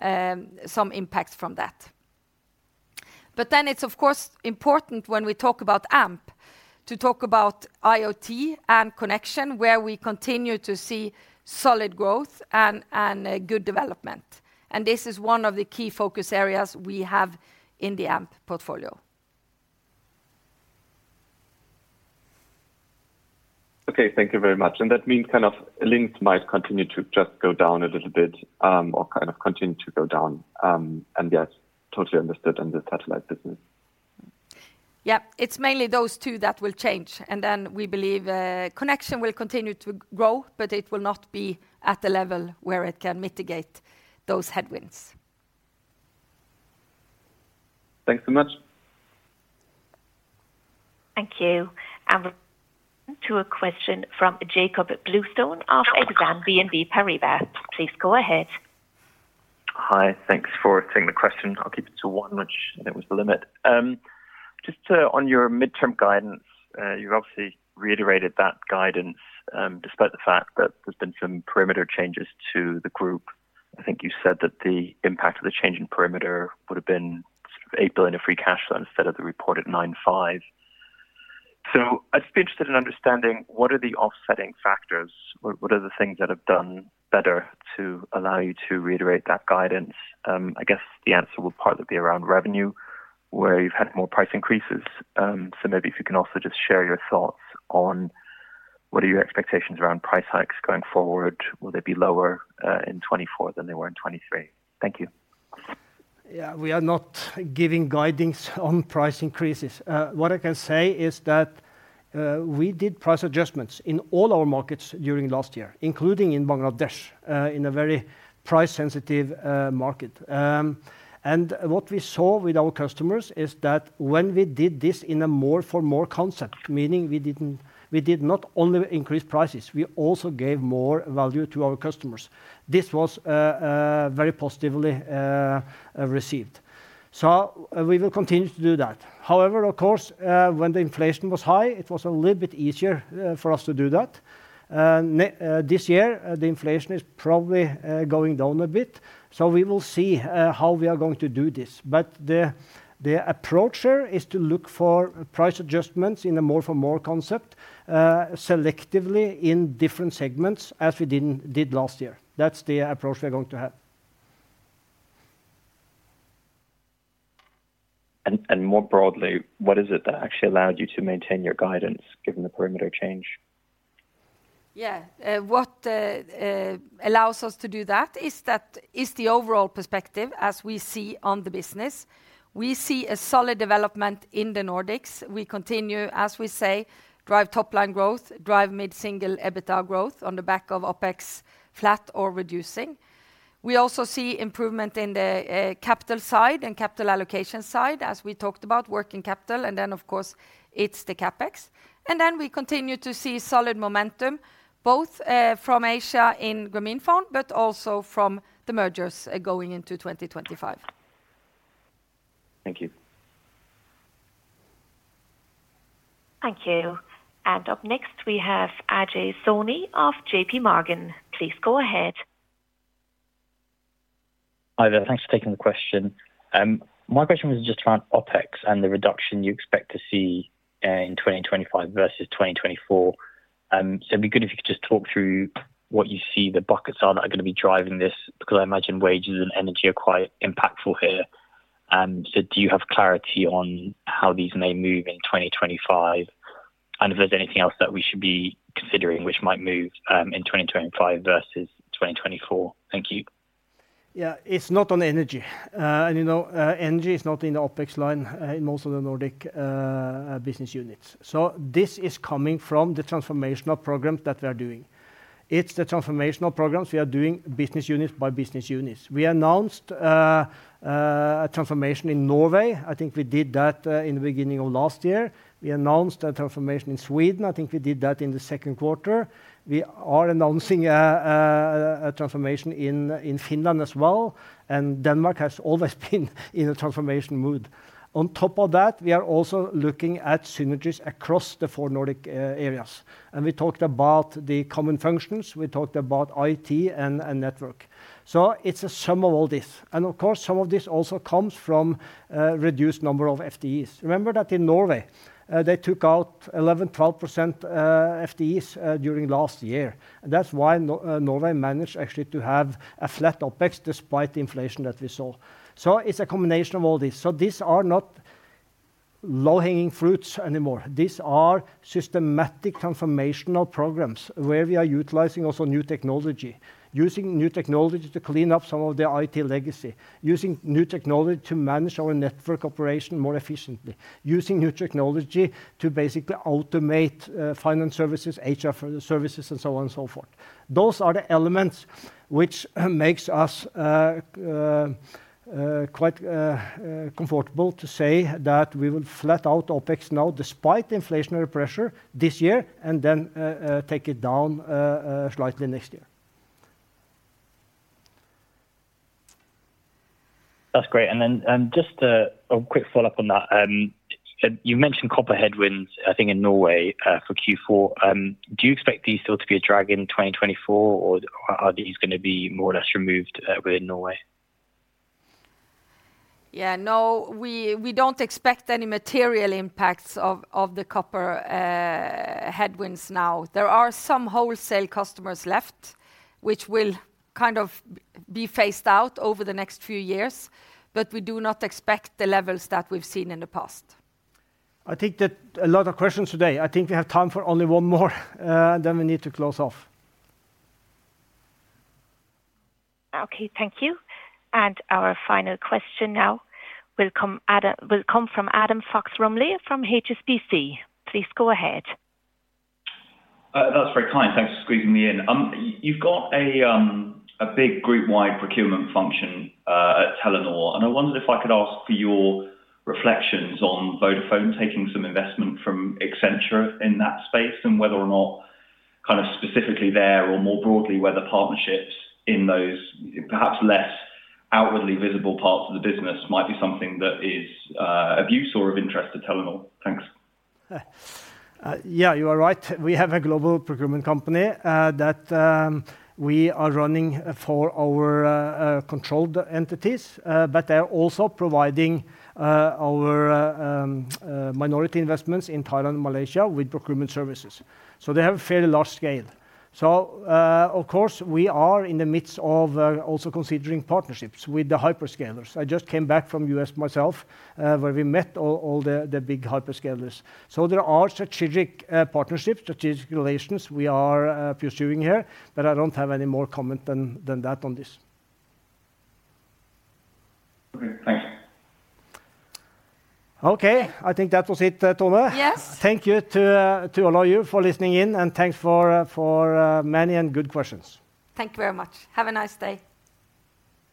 impacts from that. Then it's, of course, important when we talk about AMP, to talk about IoT and connection, where we continue to see solid growth and a good development. This is one of the key focus areas we have in the AMP portfolio. Okay. Thank you very much. And that means kind of Lynx might continue to just go down a little bit, or kind of continue to go down, and yes, totally understood on the satellite business. Yeah. It's mainly those two that will change, and then we believe, Connection will continue to grow, but it will not be at the level where it can mitigate those headwinds. Thanks so much. Thank you. And to a question from Jakob Bluestone of Exane BNP Paribas. Please go ahead. Hi. Thanks for taking the question. I'll keep it to one, which I think was the limit. Just on your midterm guidance, you've obviously reiterated that guidance, despite the fact that there's been some perimeter changes to the group. I think you said that the impact of the change in perimeter would have been sort of 8 billion of free cash flow instead of the reported 9.5 billion. So I'd just be interested in understanding, what are the offsetting factors? What are the things that have done better to allow you to reiterate that guidance? I guess the answer will partly be around revenue, where you've had more price increases. So maybe if you can also just share your thoughts on-... what are your expectations around price hikes going forward? Will they be lower in 2024 than they were in 2023? Thank you. Yeah, we are not giving guidances on price increases. What I can say is that we did price adjustments in all our markets during last year, including in Bangladesh, in a very price-sensitive market. And what we saw with our customers is that when we did this in a more for more concept, meaning we didn't-- we did not only increase prices, we also gave more value to our customers. This was very positively received, so we will continue to do that. However, of course, when the inflation was high, it was a little bit easier for us to do that. And this year, the inflation is probably going down a bit, so we will see how we are going to do this. But the approach here is to look for price adjustments in a more for more concept, selectively in different segments, as we did last year. That's the approach we're going to have. More broadly, what is it that actually allowed you to maintain your guidance, given the perimeter change? Yeah. What allows us to do that is that, is the overall perspective as we see on the business. We see a solid development in the Nordics. We continue, as we say, drive top line growth, drive mid-single EBITDA growth on the back of OpEx, flat or reducing. We also see improvement in the capital side and capital allocation side, as we talked about, working capital, and then, of course, it's the CapEx. And then we continue to see solid momentum, both from Asia in Grameenphone, but also from the mergers going into 2025. Thank you. Thank you. Up next, we have Ajay Soni of JPMorgan. Please go ahead. Hi there. Thanks for taking the question. My question was just around OpEx and the reduction you expect to see in 2025 versus 2024. So it'd be good if you could just talk through what you see the buckets are that are gonna be driving this, because I imagine wages and energy are quite impactful here. And so do you have clarity on how these may move in 2025? And if there's anything else that we should be considering which might move in 2025 versus 2024? Thank you. Yeah. It's not on energy. And you know, energy is not in the OpEx line in most of the Nordic business units. So this is coming from the transformational programs that we are doing. It's the transformational programs we are doing, business units by business units. We announced a transformation in Norway. I think we did that in the beginning of last year. We announced a transformation in Sweden. I think we did that in the second quarter. We are announcing a transformation in Finland as well, and Denmark has always been in a transformation mood. On top of that, we are also looking at synergies across the four Nordic areas. And we talked about the common functions, we talked about IT and network. So it's a sum of all this, and of course, some of this also comes from reduced number of FTEs. Remember that in Norway, they took out 11%-12% FTEs during last year. That's why Norway managed actually to have a flat OpEx despite the inflation that we saw. So it's a combination of all this. So these are not low-hanging fruits anymore. These are systematic transformational programs where we are utilizing also new technology, using new technology to clean up some of the IT legacy, using new technology to manage our network operation more efficiently, using new technology to basically automate finance services, HR services, and so on and so forth. Those are the elements which makes us quite comfortable to say that we will flat out OpEx now, despite the inflationary pressure this year, and then take it down slightly next year. That's great. Then, just a quick follow-up on that. You mentioned copper headwinds, I think, in Norway, for Q4. Do you expect these still to be a drag in 2024, or are these gonna be more or less removed within Norway? Yeah, no, we don't expect any material impacts of the copper headwinds now. There are some wholesale customers left, which will kind of be phased out over the next few years, but we do not expect the levels that we've seen in the past. I think that a lot of questions today. I think we have time for only one more, and then we need to close off. Okay, thank you. And our final question now will come from Adam Fox-Rumley, from HSBC. Please go ahead. That's very kind. Thanks for squeezing me in. You've got a big group-wide procurement function at Telenor, and I wondered if I could ask for your reflections on Vodafone taking some investment from Accenture in that space, and whether or not, kind of, specifically there or more broadly, whether partnerships in those perhaps less outwardly visible parts of the business might be something that is of use or of interest to Telenor. Thanks. Yeah, you are right. We have a global procurement company, that, we are running for our, controlled entities, but they are also providing, our, minority investments in Thailand and Malaysia with procurement services. So they have a fairly large scale. So, of course, we are in the midst of, also considering partnerships with the hyperscalers. I just came back from U.S. myself, where we met all the big hyperscalers. So there are strategic partnerships, strategic relations we are, pursuing here, but I don't have any more comment than that on this. Okay. Thank you. Okay, I think that was it, Tone? Yes. Thank you to all of you for listening in, and thanks for many and good questions. Thank you very much. Have a nice day.